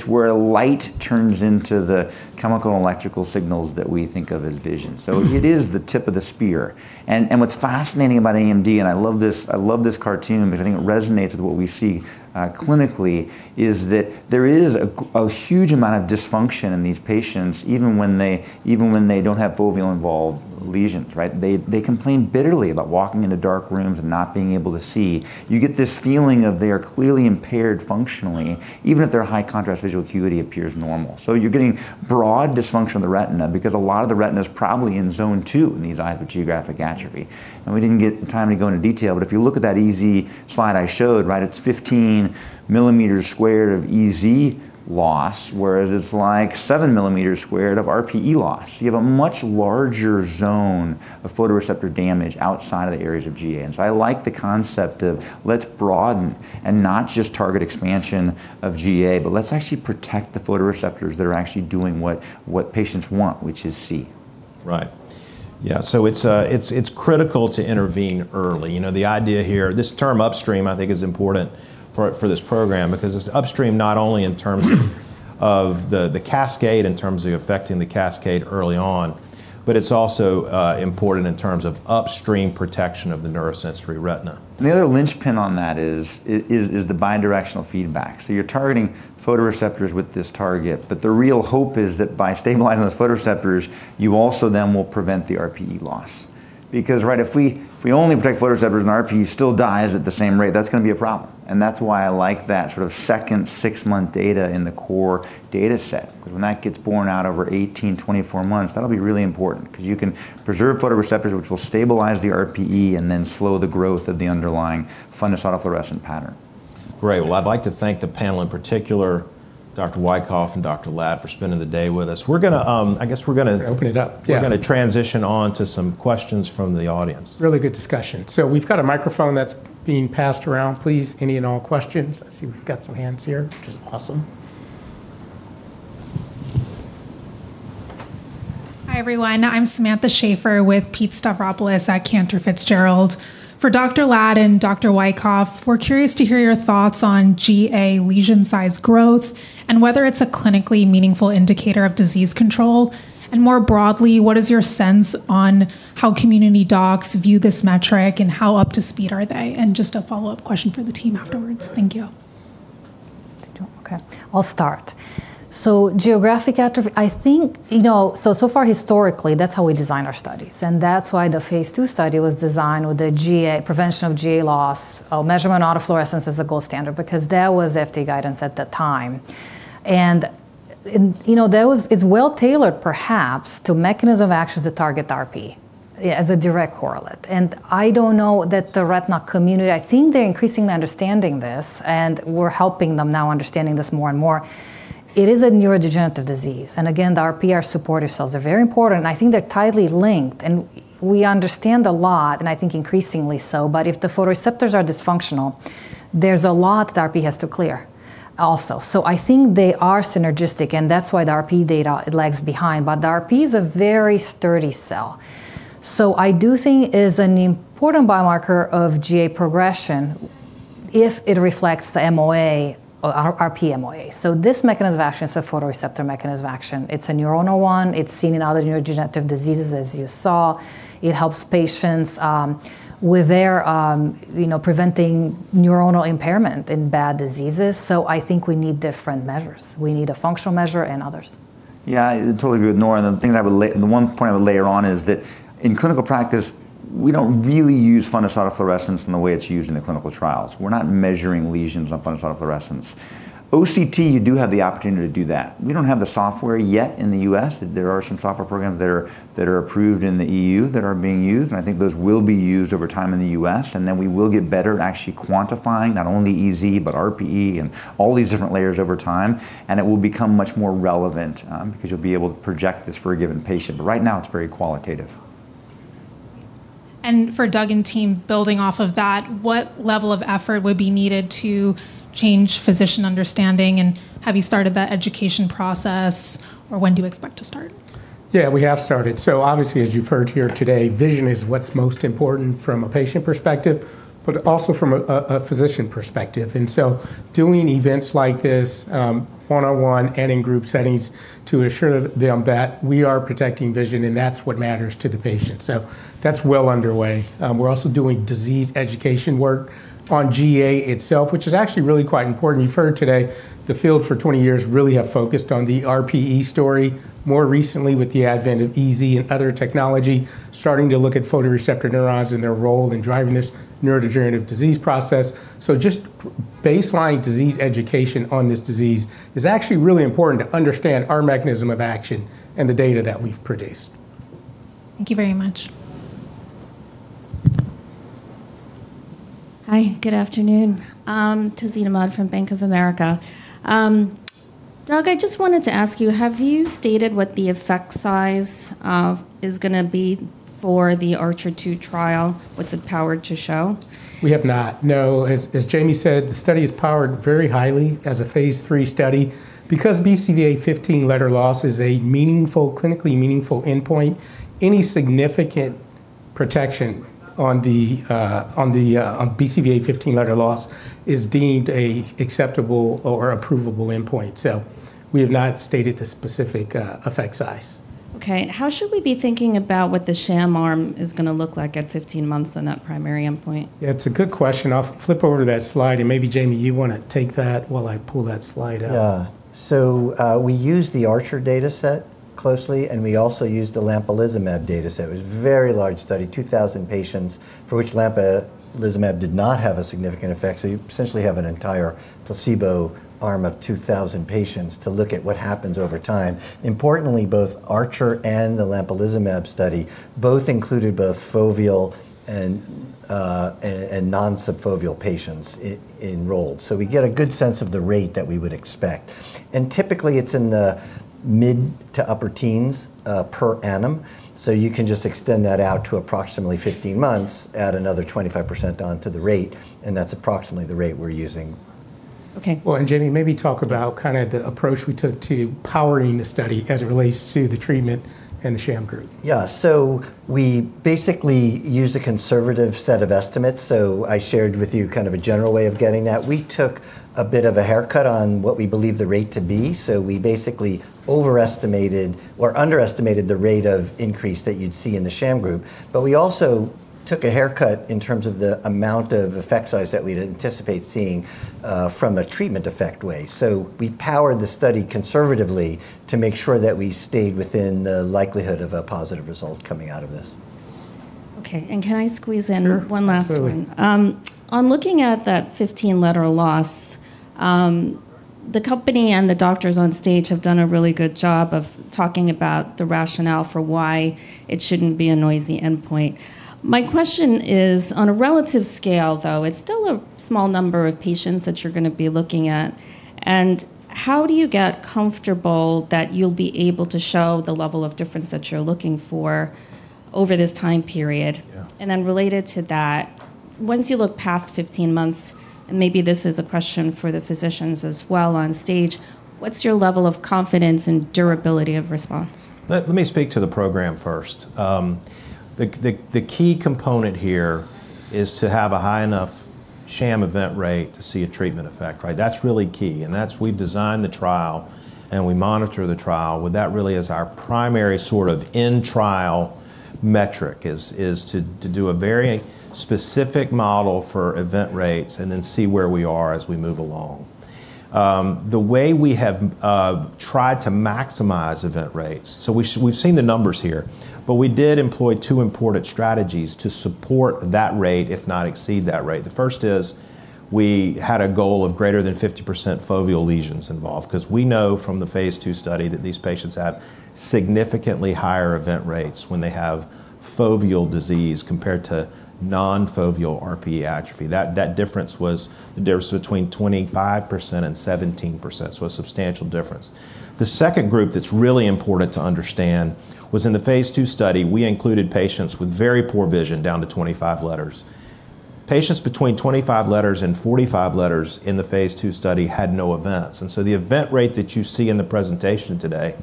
Speaker 4: where light turns into the chemical and electrical signals that we think of as vision. So it is the tip of the spear. And what's fascinating about AMD, and I love this, I love this cartoon because I think it resonates with what we see clinically, is that there is a huge amount of dysfunction in these patients, even when they don't have foveal involved lesions, right? They complain bitterly about walking into dark rooms and not being able to see. You get this feeling of they are clearly impaired functionally, even if their high contrast visual acuity appears normal. You're getting broad dysfunction of the retina because a lot of the retina is probably in zone two in these eyes with geographic atrophy. We didn't get the time to go into detail, but if you look at that EZ slide I showed, right, it's 15 mm² of EZ loss, whereas it's like 7 mm² of RPE loss. You have a much larger zone of photoreceptor damage outside of the areas of GA. I like the concept of let's broaden and not just target expansion of GA, but let's actually protect the photoreceptors that are actually doing what patients want, which is see.
Speaker 2: Right. Yeah. It's critical to intervene early. You know, the idea here, this term upstream I think is important for this program because it's upstream not only in terms of the cascade, in terms of affecting the cascade early on, but it's also important in terms of upstream protection of the neurosensory retina.
Speaker 4: The other linchpin on that is the bidirectional feedback. You're targeting photoreceptors with this target, but the real hope is that by stabilizing those photoreceptors, you also then will prevent the RPE loss. Because, right, if we only protect photoreceptors and RPE still dies at the same rate, that's gonna be a problem. That's why I like that sort of second six-month data in the core data set, because when that gets borne out over 18, 24 months, that'll be really important, because you can preserve photoreceptors, which will stabilize the RPE, and then slow the growth of the underlying fundus autofluorescence pattern.
Speaker 2: Great. Well, I'd like to thank the panel, in particular Dr. Wykoff and Dr. Lad, for spending the day with us. I guess we're gonna.
Speaker 5: Open it up.
Speaker 2: We're gonna transition on to some questions from the audience.
Speaker 5: Really good discussion. We've got a microphone that's being passed around. Please, any and all questions. I see we've got some hands here, which is awesome.
Speaker 7: Hi, everyone. I'm Samantha Schaefer with Pete Stavropoulos at Cantor Fitzgerald. For Dr. Lad and Dr. Wykoff, we're curious to hear your thoughts on GA lesion size growth and whether it's a clinically meaningful indicator of disease control. More broadly, what is your sense on how community docs view this metric, and how up to speed are they? Just a follow-up question for the team afterwards. Thank you.
Speaker 3: Okay. I'll start. Geographic atrophy, I think, you know, so far historically, that's how we design our studies, and that's why the phase II study was designed with a GA, prevention of GA loss, or fundus autofluorescence as the gold standard, because that was FDA guidance at the time. And you know, that was. It's well-tailored perhaps to mechanism of actions that target the RPE, yeah, as a direct correlate. I don't know that the retina community, I think they're increasingly understanding this, and we're helping them now understanding this more and more. It is a neurodegenerative disease, and again, the RPE are support cells. They're very important, and I think they're tightly linked. We understand a lot, and I think increasingly so, but if the photoreceptors are dysfunctional, there's a lot that RPE has to clear also. I think they are synergistic, and that's why the RPE data, it lags behind. The RPE is a very sturdy cell. I do think it is an important biomarker of GA progression if it reflects the MOA or RPE MOA. This mechanism of action is a photoreceptor mechanism of action. It's a neuronal one. It's seen in other neurodegenerative diseases, as you saw. It helps patients with their, you know, preventing neuronal impairment in bad diseases. I think we need different measures. We need a functional measure and others.
Speaker 4: Yeah, I totally agree with Nora. The thing that I would layer on is that in clinical practice, we don't really use fundus autofluorescence in the way it's used in the clinical trials. We're not measuring lesions on fundus autofluorescence. OCT, you do have the opportunity to do that. We don't have the software yet in the U.S. There are some software programs that are approved in the E.U. that are being used, and I think those will be used over time in the U.S., and then we will get better at actually quantifying not only EZ, but RPE and all these different layers over time, and it will become much more relevant, because you'll be able to project this for a given patient. Right now, it's very qualitative.
Speaker 7: For Doug Love and team, building off of that, what level of effort would be needed to change physician understanding, and have you started that education process, or when do you expect to start?
Speaker 1: Yeah, we have started. Obviously, as you've heard here today, vision is what's most important from a patient perspective, but also from a physician perspective. Doing events like this, one-on-one and in group settings to assure them that we are protecting vision, and that's what matters to the patient. That's well underway. We're also doing disease education work on GA itself, which is actually really quite important. You've heard today the field for 20 years really have focused on the RPE story. More recently, with the advent of EZ and other technology, starting to look at photoreceptor neurons and their role in driving this neurodegenerative disease process. Just baseline disease education on this disease is actually really important to understand our mechanism of action and the data that we've produced.
Speaker 7: Thank you very much.
Speaker 8: Hi, good afternoon. I'm Tazeen Ahmad from Bank of America. Doug, I just wanted to ask you, have you stated what the effect size is gonna be for the ARCHER II trial? What's it powered to show?
Speaker 1: We have not, no. As Jamie said, the study is powered very highly as a phase III study. Because BCVA 15-letter loss is a meaningful, clinically meaningful endpoint, any significant protection on the BCVA 15-letter loss is deemed an acceptable or approvable endpoint. We have not stated the specific effect size.
Speaker 8: Okay. How should we be thinking about what the sham arm is gonna look like at 15 months in that primary endpoint?
Speaker 1: Yeah, it's a good question. I'll flip over to that slide, and maybe, Jamie, you wanna take that while I pull that slide out.
Speaker 5: Yeah, we used the ARCHER data set closely, and we also used the lampalizumab data set. It was a very large study, 2,000 patients for which lampalizumab did not have a significant effect, so you essentially have an entire placebo arm of 2,000 patients to look at what happens over time. Importantly, both ARCHER and the lampalizumab study both included both foveal and non-subfoveal patients enrolled. We get a good sense of the rate that we would expect. Typically, it's in the mid to upper teens per annum. You can just extend that out to approximately 15 months, add another 25% onto the rate, and that's approximately the rate we're using.
Speaker 8: Okay.
Speaker 1: Well, Jamie, maybe talk about kinda the approach we took to powering the study as it relates to the treatment and the sham group.
Speaker 5: We basically used a conservative set of estimates. I shared with you kind of a general way of getting that. We took a bit of a haircut on what we believe the rate to be. We basically overestimated or underestimated the rate of increase that you'd see in the sham group. We also took a haircut in terms of the amount of effect size that we'd anticipate seeing, from a treatment effect way. We powered the study conservatively to make sure that we stayed within the likelihood of a positive result coming out of this.
Speaker 8: Okay. Can I squeeze in-
Speaker 5: Sure.
Speaker 8: One last one?
Speaker 2: Absolutely.
Speaker 8: On looking at that 15-letter loss, the company and the doctors on stage have done a really good job of talking about the rationale for why it shouldn't be a noisy endpoint. My question is, on a relative scale, though, it's still a small number of patients that you're gonna be looking at, and how do you get comfortable that you'll be able to show the level of difference that you're looking for over this time period?
Speaker 1: Yeah.
Speaker 8: Related to that, once you look past 15 months, and maybe this is a question for the physicians as well on stage, what's your level of confidence and durability of response?
Speaker 2: Let me speak to the program first. The key component here is to have a high enough sham event rate to see a treatment effect, right? That's really key. We've designed the trial, and we monitor the trial. Well, that really is our primary sort of in-trial metric, is to do a very specific model for event rates and then see where we are as we move along. The way we have tried to maximize event rates, we've seen the numbers here, but we did employ two important strategies to support that rate if not exceed that rate. The first is we had a goal of greater than 50% foveal lesions involved, 'cause we know from the phase II study that these patients have significantly higher event rates when they have foveal disease compared to non-foveal RP atrophy. That difference was the difference between 25% and 17%, so a substantial difference. The second group that's really important to understand was in the phase II study, we included patients with very poor vision down to 25 letters. Patients between 25 letters and 45 letters in the phase II study had no events. The event rate that you see in the presentation today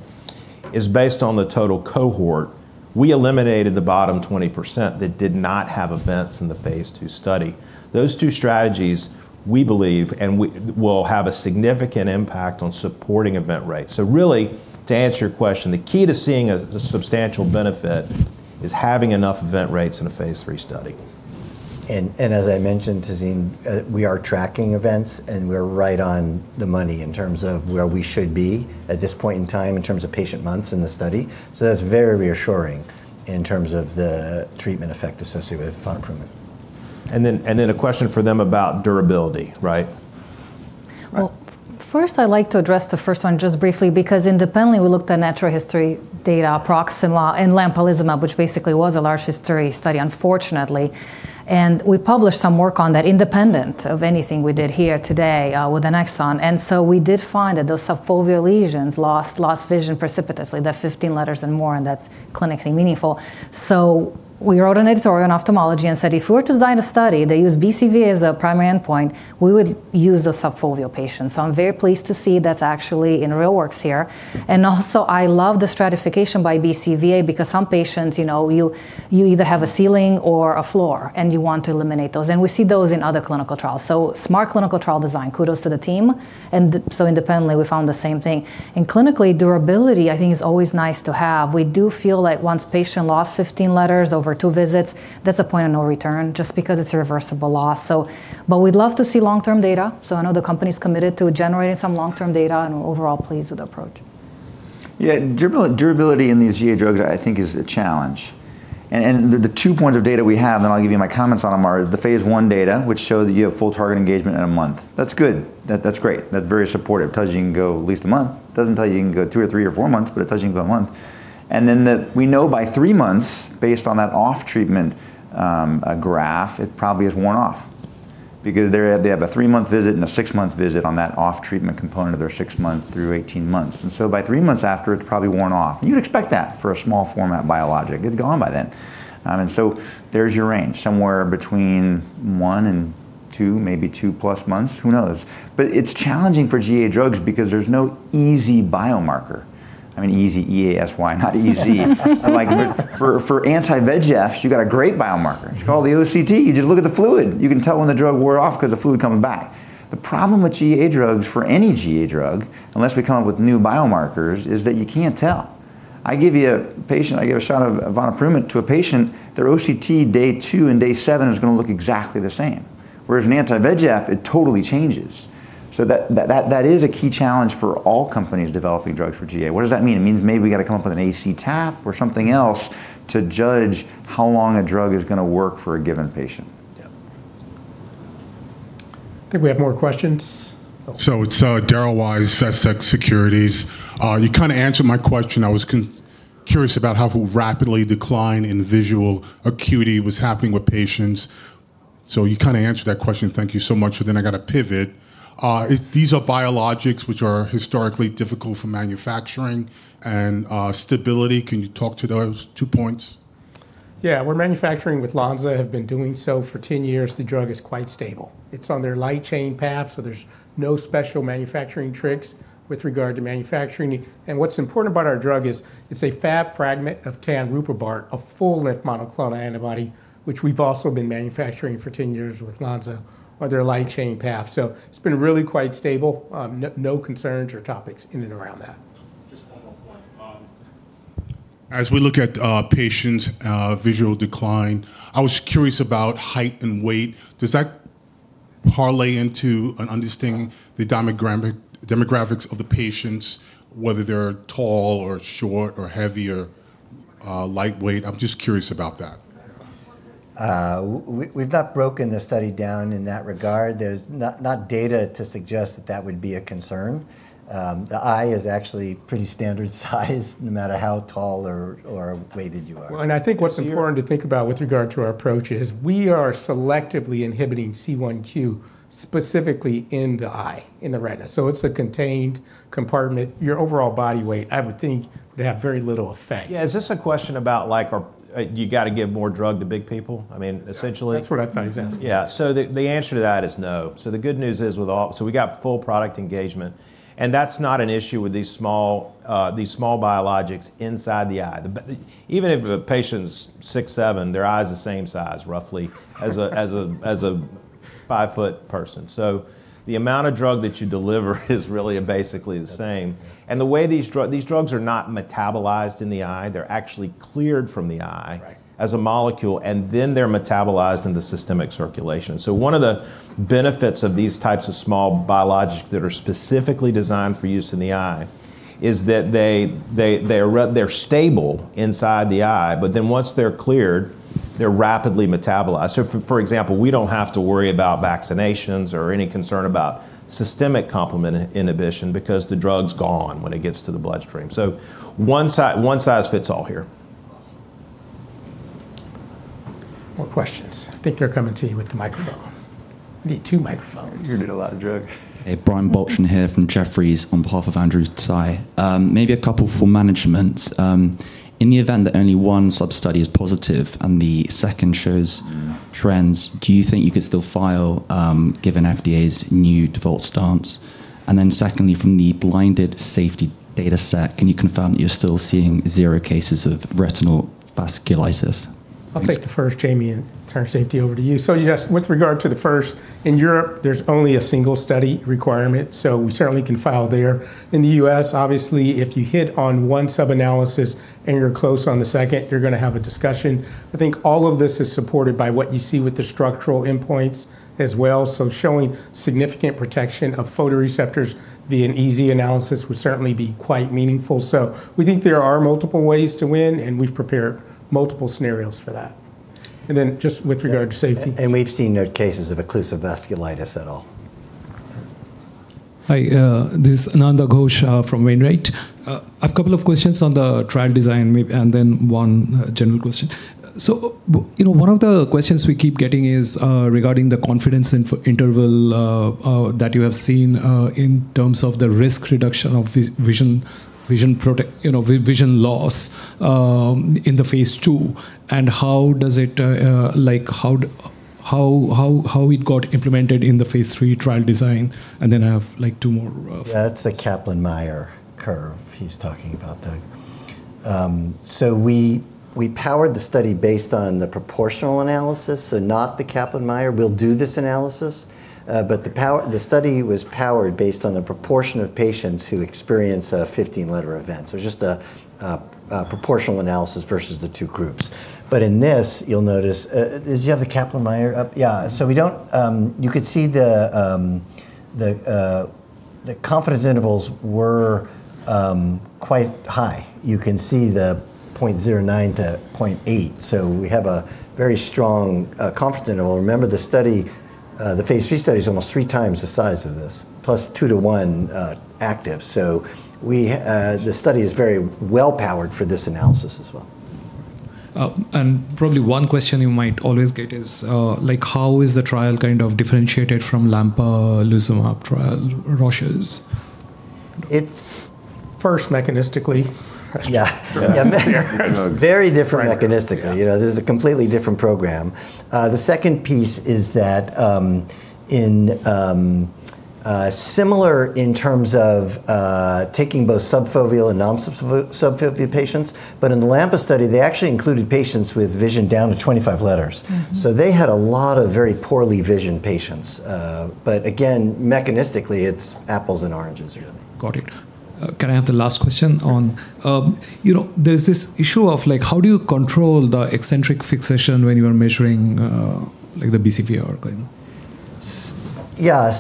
Speaker 2: is based on the total cohort. We eliminated the bottom 20% that did not have events in the phase II study. Those two strategies, we believe, will have a significant impact on supporting event rates. Really, to answer your question, the key to seeing the substantial benefit is having enough event rates in a phase III study.
Speaker 4: As I mentioned, Tazeen, we are tracking events, and we're right on the money in terms of where we should be at this point in time in terms of patient months in the study. That's very reassuring in terms of the treatment effect associated with vonoprument.
Speaker 2: A question for them about durability, right?
Speaker 8: Right.
Speaker 3: Well, first I'd like to address the first one just briefly because independently we looked at natural history data, PROXIMA and lampalizumab, which basically was a large history study unfortunately. We published some work on that independent of anything we did here today with Annexon. We did find that those subfoveal lesions lost vision precipitously. They're 15 letters and more, and that's clinically meaningful. We wrote an editorial in Ophthalmology and said, "If we were to design a study, they use BCVA as a primary endpoint, we would use the subfoveal patients." I'm very pleased to see that's actually in the works here. Also, I love the stratification by BCVA because some patients, you know, you either have a ceiling or a floor, and you want to eliminate those. We see those in other clinical trials. Smart clinical trial design. Kudos to the team. Independently, we found the same thing. Clinically, durability I think is always nice to have. We do feel like once patient lost 15 letters over two visits, that's a point of no return just because it's irreversible loss, so. We'd love to see long-term data, so I know the company's committed to generating some long-term data, and we're overall pleased with the approach.
Speaker 4: Yeah, durability in these GA drugs I think is a challenge. The two points of data we have, and I'll give you my comments on them, are the phase I data which show that you have full target engagement in a month. That's good. That's great. That's very supportive. Tells you you can go at least a month. Doesn't tell you you can go two or three or four months, but it tells you you can go a month. Then we know by three months, based on that off-treatment graph, it probably has worn off because they have a three-month visit and a six-month visit on that off-treatment component of their six-month through 18 months. By three months after, it's probably worn off. You'd expect that for a small format biologic. It's gone by then. There's your range, somewhere between one and two, maybe two plus months. Who knows? It's challenging for GA drugs because there's no easy biomarker. I mean easy, E-A-S-Y, not E-Z. Like for anti-VEGFs, you got a great biomarker. It's called the OCT. You just look at the fluid. You can tell when the drug wore off because the fluid coming back. The problem with GA drugs for any GA drug, unless we come up with new biomarkers, is that you can't tell. I give you a patient, I give a shot of vonoprument to a patient, their OCT day two and day seven is gonna look exactly the same. Whereas an anti-VEGF, it totally changes. That is a key challenge for all companies developing drugs for GA. What does that mean? It means maybe we gotta come up with an AC tap or something else to judge how long a drug is gonna work for a given patient.
Speaker 2: Yeah.
Speaker 1: I think we have more questions.
Speaker 9: It's Darryl Wise, Vestech Securities. You kinda answered my question. I was curious about how rapidly decline in visual acuity was happening with patients. You kinda answered that question. Thank you so much. I gotta pivot. These are biologics which are historically difficult for manufacturing and stability. Can you talk to those two points?
Speaker 1: Yeah. We're manufacturing with Lonza, have been doing so for 10 years. The drug is quite stable. It's on their light chain path, so there's no special manufacturing tricks with regard to manufacturing. What's important about our drug is it's a Fab fragment of tanruprubart, a full length monoclonal antibody, which we've also been manufacturing for 10 years with Lonza on their light chain path. It's been really quite stable. No, no concerns or topics in and around that.
Speaker 9: Just one more point. As we look at patients' visual decline, I was curious about height and weight. Does that parlay into an understanding of the demographics of the patients, whether they're tall or short or heavy or lightweight? I'm just curious about that.
Speaker 5: We've not broken the study down in that regard. There's not data to suggest that would be a concern. The eye is actually pretty standard size no matter how tall or weighted you are.
Speaker 1: Well, I think what's important to think about with regard to our approach is we are selectively inhibiting C1q specifically in the eye, in the retina. It's a contained compartment. Your overall body weight, I would think, would have very little effect.
Speaker 2: Yeah. Is this a question about like, you gotta give more drug to big people? I mean, essentially.
Speaker 1: Yeah. That's what I thought he was asking.
Speaker 2: Yeah. The answer to that is no. The good news is we got full product engagement, and that's not an issue with these small biologics inside the eye. Even if a patient's six, seven, their eye is the same size roughly as a 5-foot person. The amount of drug that you deliver is really basically the same. The way these drugs are not metabolized in the eye. They're actually cleared from the eye.
Speaker 5: Right
Speaker 2: As a molecule, and then they're metabolized in the systemic circulation. One of the benefits of these types of small biologics that are specifically designed for use in the eye is that they're stable inside the eye, but then once they're cleared, they're rapidly metabolized. For example, we don't have to worry about vaccinations or any concern about systemic complement inhibition because the drug's gone when it gets to the bloodstream. One size fits all here.
Speaker 5: More questions. I think they're coming to you with the microphone. We need two microphones.
Speaker 2: You're gonna need a lot of drugs.
Speaker 10: Hey, Brian Balchin here from Jefferies on behalf of Andrew Tsai. Maybe a couple for management. In the event that only one sub-study is positive and the second shows trends, do you think you could still file, given FDA's new default stance? Secondly, from the blinded safety data set, can you confirm that you're still seeing zero cases of retinal vasculitis?
Speaker 1: I'll take the first, Jamie, and turn safety over to you. Yes, with regard to the first, in Europe, there's only a single study requirement, so we certainly can file there. In the U.S., obviously, if you hit on one sub-analysis and you're close on the second, you're gonna have a discussion. I think all of this is supported by what you see with the structural endpoints as well. Showing significant protection of photoreceptors via an EZ analysis would certainly be quite meaningful. We think there are multiple ways to win, and we've prepared multiple scenarios for that. Then just with regard to safety.
Speaker 5: We've seen no cases of occlusive vasculitis at all.
Speaker 11: Hi, this is Ananda Ghosh from Wainwright. A couple of questions on the trial design and then one general question. You know, one of the questions we keep getting is regarding the confidence interval that you have seen in terms of the risk reduction of vision loss in the phase II, and how it got implemented in the phase III trial design, and then I have like two more follow-up.
Speaker 5: That's the Kaplan-Meier curve. He's talking about. We powered the study based on the proportional analysis and not the Kaplan-Meier. We'll do this analysis, but the study was powered based on the proportion of patients who experience a 15-letter event. Just a proportional analysis versus the two groups. In this, you'll notice, do you have the Kaplan-Meier up? Yeah. We don't. You could see the confidence intervals were quite high. You can see the 0.09-0.8. We have a very strong confidence interval. Remember, the phase III study is almost three times the size of this, plus two to one active. The study is very well powered for this analysis as well.
Speaker 11: Probably one question you might always get is, like, how is the trial kind of differentiated from lampalizumab trial, Roche's?
Speaker 5: It's-
Speaker 1: First, mechanistically.
Speaker 5: Yeah. It's very different mechanistically. You know, this is a completely different program. The second piece is that, it's similar in terms of taking both subfoveal and non-subfoveal patients, but in the lampalizumab study, they actually included patients with vision down to 25 letters.
Speaker 1: Mm-hmm.
Speaker 5: They had a lot of very poor vision patients. Again, mechanistically, it's apples and oranges really.
Speaker 11: Got it. Can I have the last question on, you know, there's this issue of like, how do you control the eccentric fixation when you are measuring, like the BCVA or like?
Speaker 5: Yeah.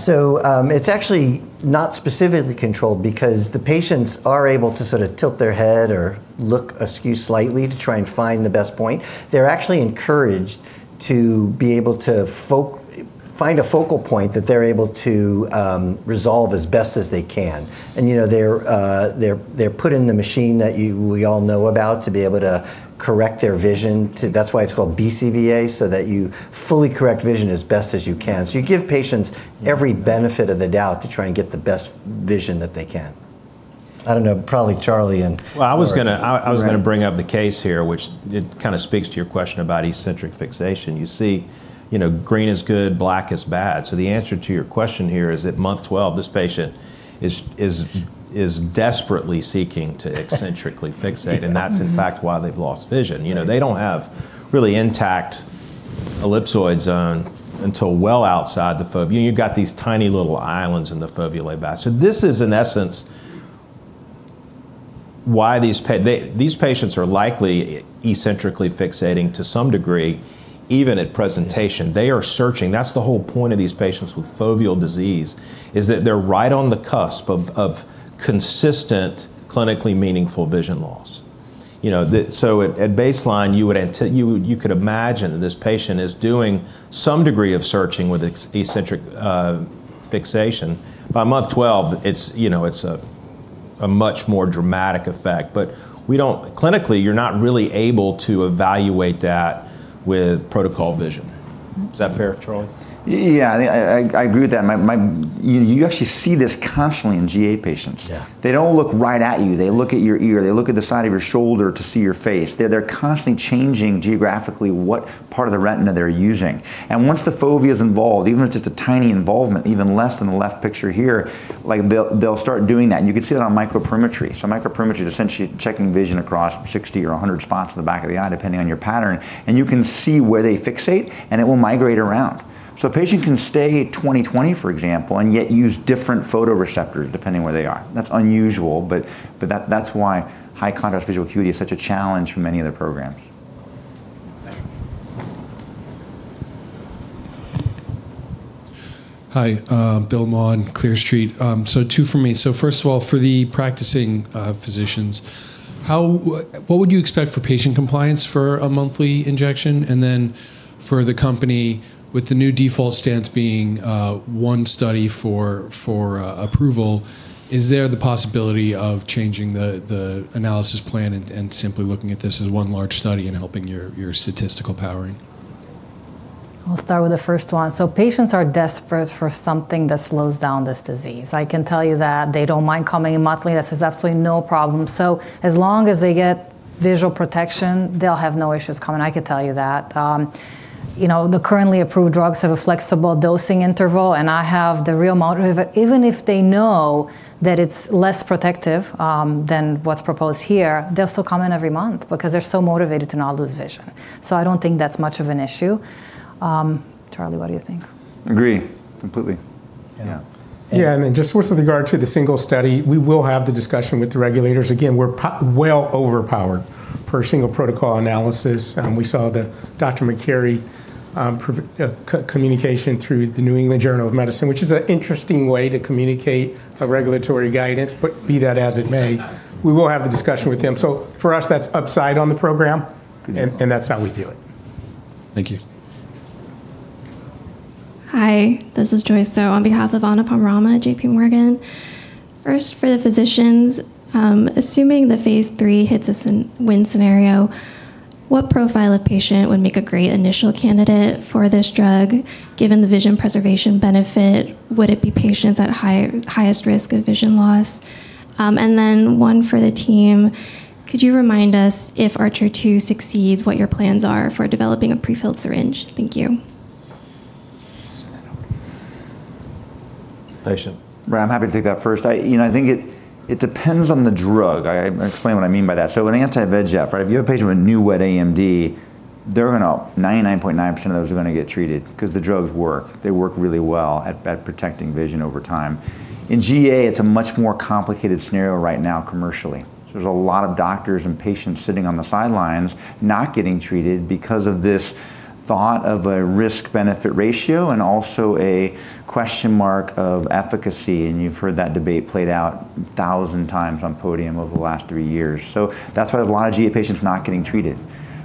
Speaker 5: It's actually not specifically controlled because the patients are able to sort of tilt their head or look askew slightly to try and find the best point. They're actually encouraged to be able to find a focal point that they're able to resolve as best as they can. You know, they're put in the machine that we all know about to be able to correct their vision. That's why it's called BCVA, so that you fully correct vision as best as you can. You give patients every benefit of the doubt to try and get the best vision that they can. I don't know, probably Charles Wykoff and-
Speaker 2: Well, I was gonna bring up the case here, which it kinda speaks to your question about eccentric fixation. You see, you know, green is good, black is bad. So the answer to your question here is at month 12, this patient is desperately seeking to eccentrically fixate, and that's in fact why they've lost vision. You know, they don't have really intact ellipsoid zone until well outside the fovea, and you've got these tiny little islands in the foveolae back. So this is in essence why these patients are likely eccentrically fixating to some degree, even at presentation. They are searching. That's the whole point of these patients with foveal disease is that they're right on the cusp of consistent clinically meaningful vision loss. You know, at baseline, you would, you could imagine that this patient is doing some degree of searching with eccentric fixation. By month 12, you know, it's a much more dramatic effect. But we don't. Clinically, you're not really able to evaluate that with protocol vision. Is that fair, Charles?
Speaker 4: Yeah. I agree with that. You actually see this constantly in GA patients.
Speaker 2: Yeah.
Speaker 4: They don't look right at you. They look at your ear. They look at the side of your shoulder to see your face. They're constantly changing geographically what part of the retina they're using. Once the fovea is involved, even if it's just a tiny involvement, even less than the left picture here, like, they'll start doing that, and you can see that on microperimetry. Microperimetry is essentially checking vision across 60 or 100 spots at the back of the eye, depending on your pattern, and you can see where they fixate, and it will migrate around. A patient can stay at 20/20, for example, and yet use different photoreceptors depending where they are. That's unusual, but that that's why high contrast visual acuity is such a challenge for many of their programs.
Speaker 11: Thanks.
Speaker 12: Hi. Bill Maughan, Clear Street. Two for me. First of all, for the practicing physicians, what would you expect for patient compliance for a monthly injection? Then for the company, with the new default stance being one study for approval, is there the possibility of changing the analysis plan and simply looking at this as one large study and helping your statistical powering?
Speaker 3: I'll start with the first one. Patients are desperate for something that slows down this disease. I can tell you that they don't mind coming in monthly. This is absolutely no problem. As long as they get visual protection, they'll have no issues coming. I could tell you that. You know, the currently approved drugs have a flexible dosing interval, and they have the real motive. Even if they know that it's less protective than what's proposed here, they'll still come in every month because they're so motivated to not lose vision. I don't think that's much of an issue. Charles, what do you think?
Speaker 4: Agree completely.
Speaker 2: Yeah.
Speaker 1: Yeah. Just with regard to the single study, we will have the discussion with the regulators. Again, we're well overpowered for a single protocol analysis. We saw the Dr. McGarry, communication through the New England Journal of Medicine, which is an interesting way to communicate a regulatory guidance. Be that as it may, we will have the discussion with him. For us, that's upside on the program.
Speaker 4: Good.
Speaker 1: That's how we view it.
Speaker 12: Thank you.
Speaker 13: Hi, this is Joyce Zhou on behalf of Anupam Rama, JPMorgan. First, for the physicians, assuming the phase three hits its win scenario, what profile of patient would make a great initial candidate for this drug given the vision preservation benefit? Would it be patients at highest risk of vision loss? One for the team. Could you remind us if ARCHER II succeeds, what your plans are for developing a pre-filled syringe? Thank you.
Speaker 4: Right. I'm happy to take that first. You know, I think it depends on the drug. I explain what I mean by that. An anti-VEGF, right? If you have a patient with new wet AMD, they're gonna 99.9% of those are gonna get treated because the drugs work. They work really well at protecting vision over time. In GA, it's a much more complicated scenario right now commercially. There's a lot of doctors and patients sitting on the sidelines not getting treated because of this thought of a risk-benefit ratio and also a question mark of efficacy, and you've heard that debate played out 1,000 times on podium over the last three years. That's why there's a lot of GA patients not getting treated.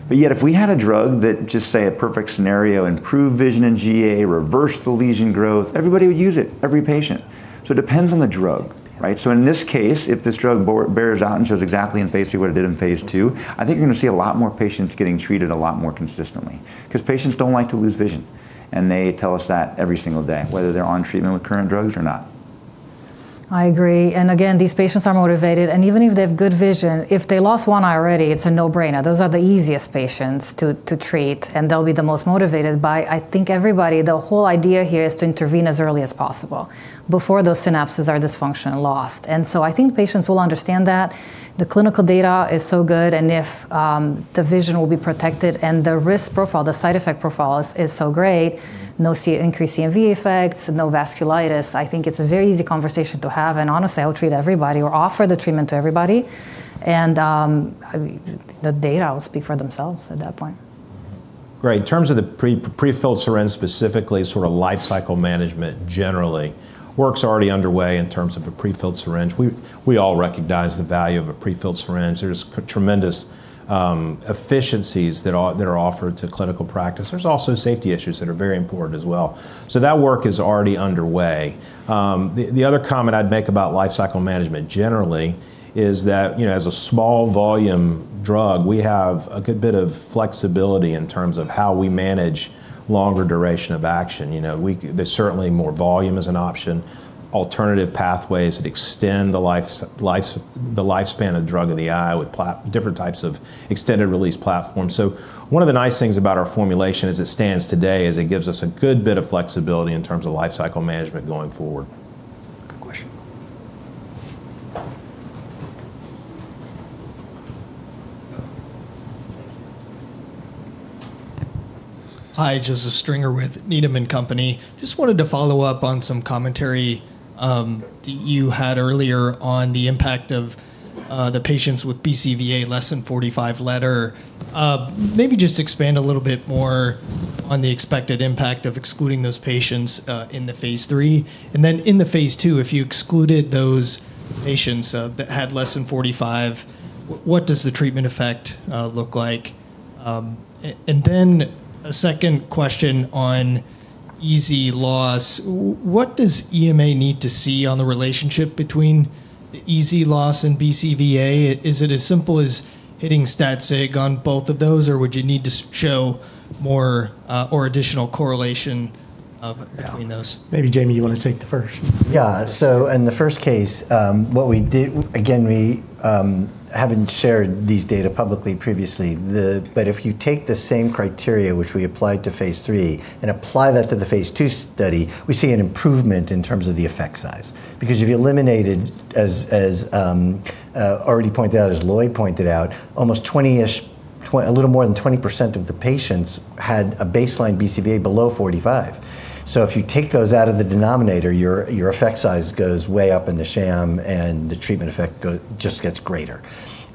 Speaker 4: If we had a drug that just, say, a perfect scenario, improved vision in GA, reversed the lesion growth, everybody would use it, every patient. It depends on the drug, right? In this case, if this drug bears out and shows exactly in phase III what it did in phase II, I think you're gonna see a lot more patients getting treated a lot more consistently because patients don't like to lose vision, and they tell us that every single day, whether they're on treatment with current drugs or not.
Speaker 3: I agree. Again, these patients are motivated, and even if they have good vision, if they lost one eye already, it's a no-brainer. Those are the easiest patients to treat, and they'll be the most motivated by, I think, everybody. The whole idea here is to intervene as early as possible before those synapses are dysfunctional and lost. I think patients will understand that. The clinical data is so good, and if the vision will be protected and the risk profile, the side effect profile is so great, no C3-increased CNV effects, no vasculitis. I think it's a very easy conversation to have, and honestly, I will treat everybody or offer the treatment to everybody, and the data will speak for themselves at that point.
Speaker 2: Great. In terms of the pre-filled syringe specifically, sort of lifecycle management generally, work's already underway in terms of a pre-filled syringe. We all recognize the value of a pre-filled syringe. There's tremendous efficiencies that are offered to clinical practice. There's also safety issues that are very important as well. That work is already underway. The other comment I'd make about lifecycle management generally is that, you know, as a small volume drug, we have a good bit of flexibility in terms of how we manage longer duration of action. You know, there's certainly more volume as an option. Alternative pathways extend the lifespan of drug in the eye with different types of extended release platforms. One of the nice things about our formulation as it stands today is it gives us a good bit of flexibility in terms of lifecycle management going forward.
Speaker 4: Good question.
Speaker 14: Hi, Joseph Stringer with Needham & Company. Just wanted to follow up on some commentary that you had earlier on the impact of the patients with BCVA less than 45-letter. Maybe just expand a little bit more on the expected impact of excluding those patients in the phase III. In the phase II, if you excluded those patients that had less than 45, what does the treatment effect look like? And then a second question on EZ loss. What does EMA need to see on the relationship between the EZ loss and BCVA? Is it as simple as hitting stat sig on both of those, or would you need to show more or additional correlation between those?
Speaker 1: Maybe Jamie, you wanna take the first.
Speaker 5: Yeah. In the first case, what we did. Again, we haven't shared these data publicly previously. If you take the same criteria which we applied to phase III and apply that to the phase II study, we see an improvement in terms of the effect size. Because if you eliminated, as already pointed out, as Lloyd pointed out, almost 20-ish, a little more than 20% of the patients had a baseline BCVA below 45. If you take those out of the denominator, your effect size goes way up in the sham and the treatment effect just gets greater.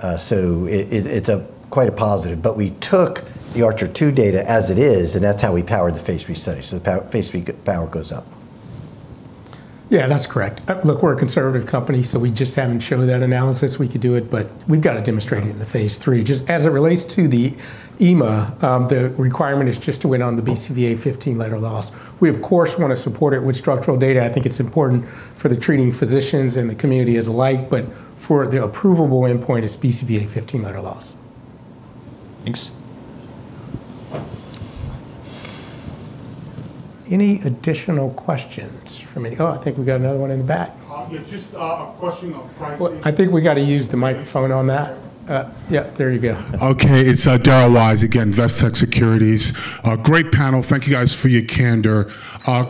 Speaker 5: It's quite a positive. We took the ARCHER II data as it is, and that's how we powered the phase III study. The phase III power goes up.
Speaker 1: Yeah, that's correct. Look, we're a conservative company, so we just haven't shown that analysis. We could do it, but we've got to demonstrate it in the phase III. Just as it relates to the EMA, the requirement is just to win on the BCVA 15-letter loss. We of course wanna support it with structural data. I think it's important for the treating physicians and the community alike, but for the approvable endpoint, it's BCVA 15-letter loss.
Speaker 14: Thanks.
Speaker 1: Any additional questions? Oh, I think we got another one in the back.
Speaker 9: Yeah. Just a question of pricing.
Speaker 1: Well, I think we gotta use the microphone on that. Yeah, there you go.
Speaker 9: Okay. It's Darryl Wise again, Vestech Securities. A great panel. Thank you guys for your candor.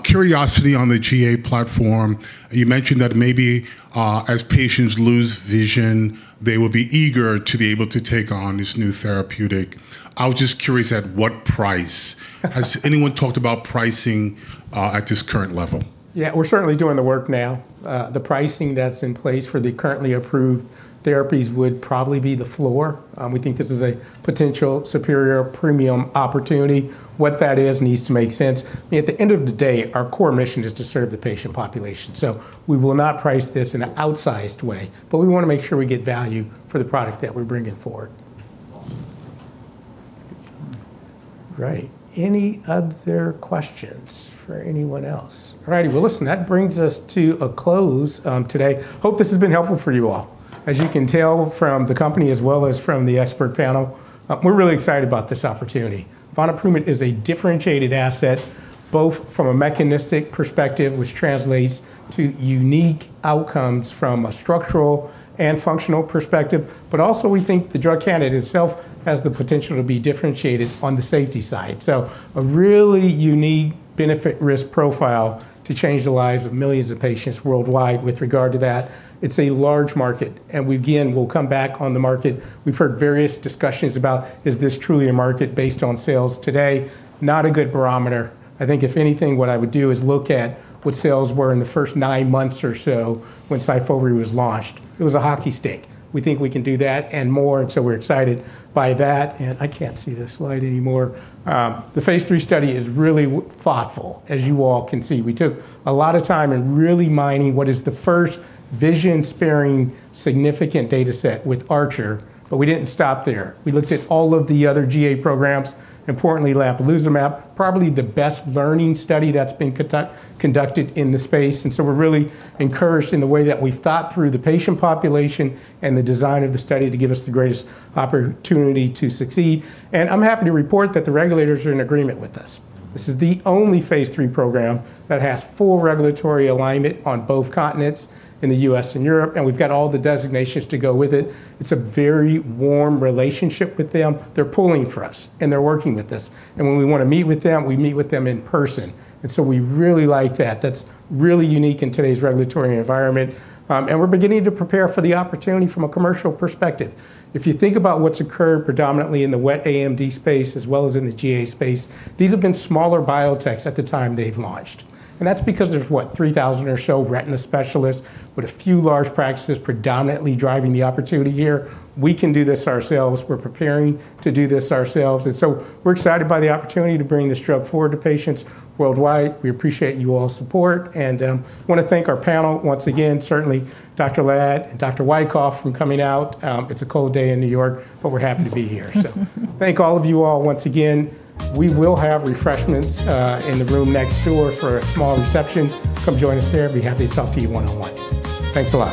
Speaker 9: Curiosity on the GA platform. You mentioned that maybe as patients lose vision, they will be eager to be able to take on this new therapeutic. I was just curious, at what price? Has anyone talked about pricing at this current level?
Speaker 1: Yeah, we're certainly doing the work now. The pricing that's in place for the currently approved therapies would probably be the floor. We think this is a potential superior premium opportunity. What that is needs to make sense. At the end of the day, our core mission is to serve the patient population. We will not price this in an outsized way, but we wanna make sure we get value for the product that we're bringing forward.
Speaker 9: Awesome.
Speaker 1: Great. Any other questions for anyone else? All right. Well, listen, that brings us to a close, today. Hope this has been helpful for you all. As you can tell from the company as well as from the expert panel, we're really excited about this opportunity. vonoprument is a differentiated asset, both from a mechanistic perspective, which translates to unique outcomes from a structural and functional perspective, but also we think the drug candidate itself has the potential to be differentiated on the safety side. So a really unique benefit risk profile to change the lives of millions of patients worldwide with regard to that. It's a large market, and we again, will come back on the market. We've heard various discussions about is this truly a market based on sales today? Not a good barometer. I think if anything, what I would do is look at what sales were in the first nine months or so when Syfovre was launched. It was a hockey stick. We think we can do that and more, and so we're excited by that. I can't see this slide anymore. The phase III study is really thoughtful, as you all can see. We took a lot of time in really mining what is the first vision-sparing significant data set with ARCHER, but we didn't stop there. We looked at all of the other GA programs, importantly lampalizumab, probably the best learning study that's been conducted in the space. We're really encouraged in the way that we thought through the patient population and the design of the study to give us the greatest opportunity to succeed. I'm happy to report that the regulators are in agreement with this. This is the only phase III program that has full regulatory alignment on both continents in the U.S. and Europe, and we've got all the designations to go with it. It's a very warm relationship with them. They're pulling for us, and they're working with us. When we wanna meet with them, we meet with them in person. We really like that. That's really unique in today's regulatory environment. We're beginning to prepare for the opportunity from a commercial perspective. If you think about what's occurred predominantly in the wet AMD space as well as in the GA space, these have been smaller biotechs at the time they've launched. That's because there's what? 3,000 or so retina specialists with a few large practices predominantly driving the opportunity here. We can do this ourselves. We're preparing to do this ourselves. We're excited by the opportunity to bring this drug forward to patients worldwide. We appreciate you all's support and wanna thank our panel once again. Certainly Dr. Lad and Dr. Wykoff for coming out. It's a cold day in New York, but we're happy to be here. Thank all of you all once again. We will have refreshments in the room next door for a small reception. Come join us there. Be happy to talk to you one-on-one. Thanks a lot.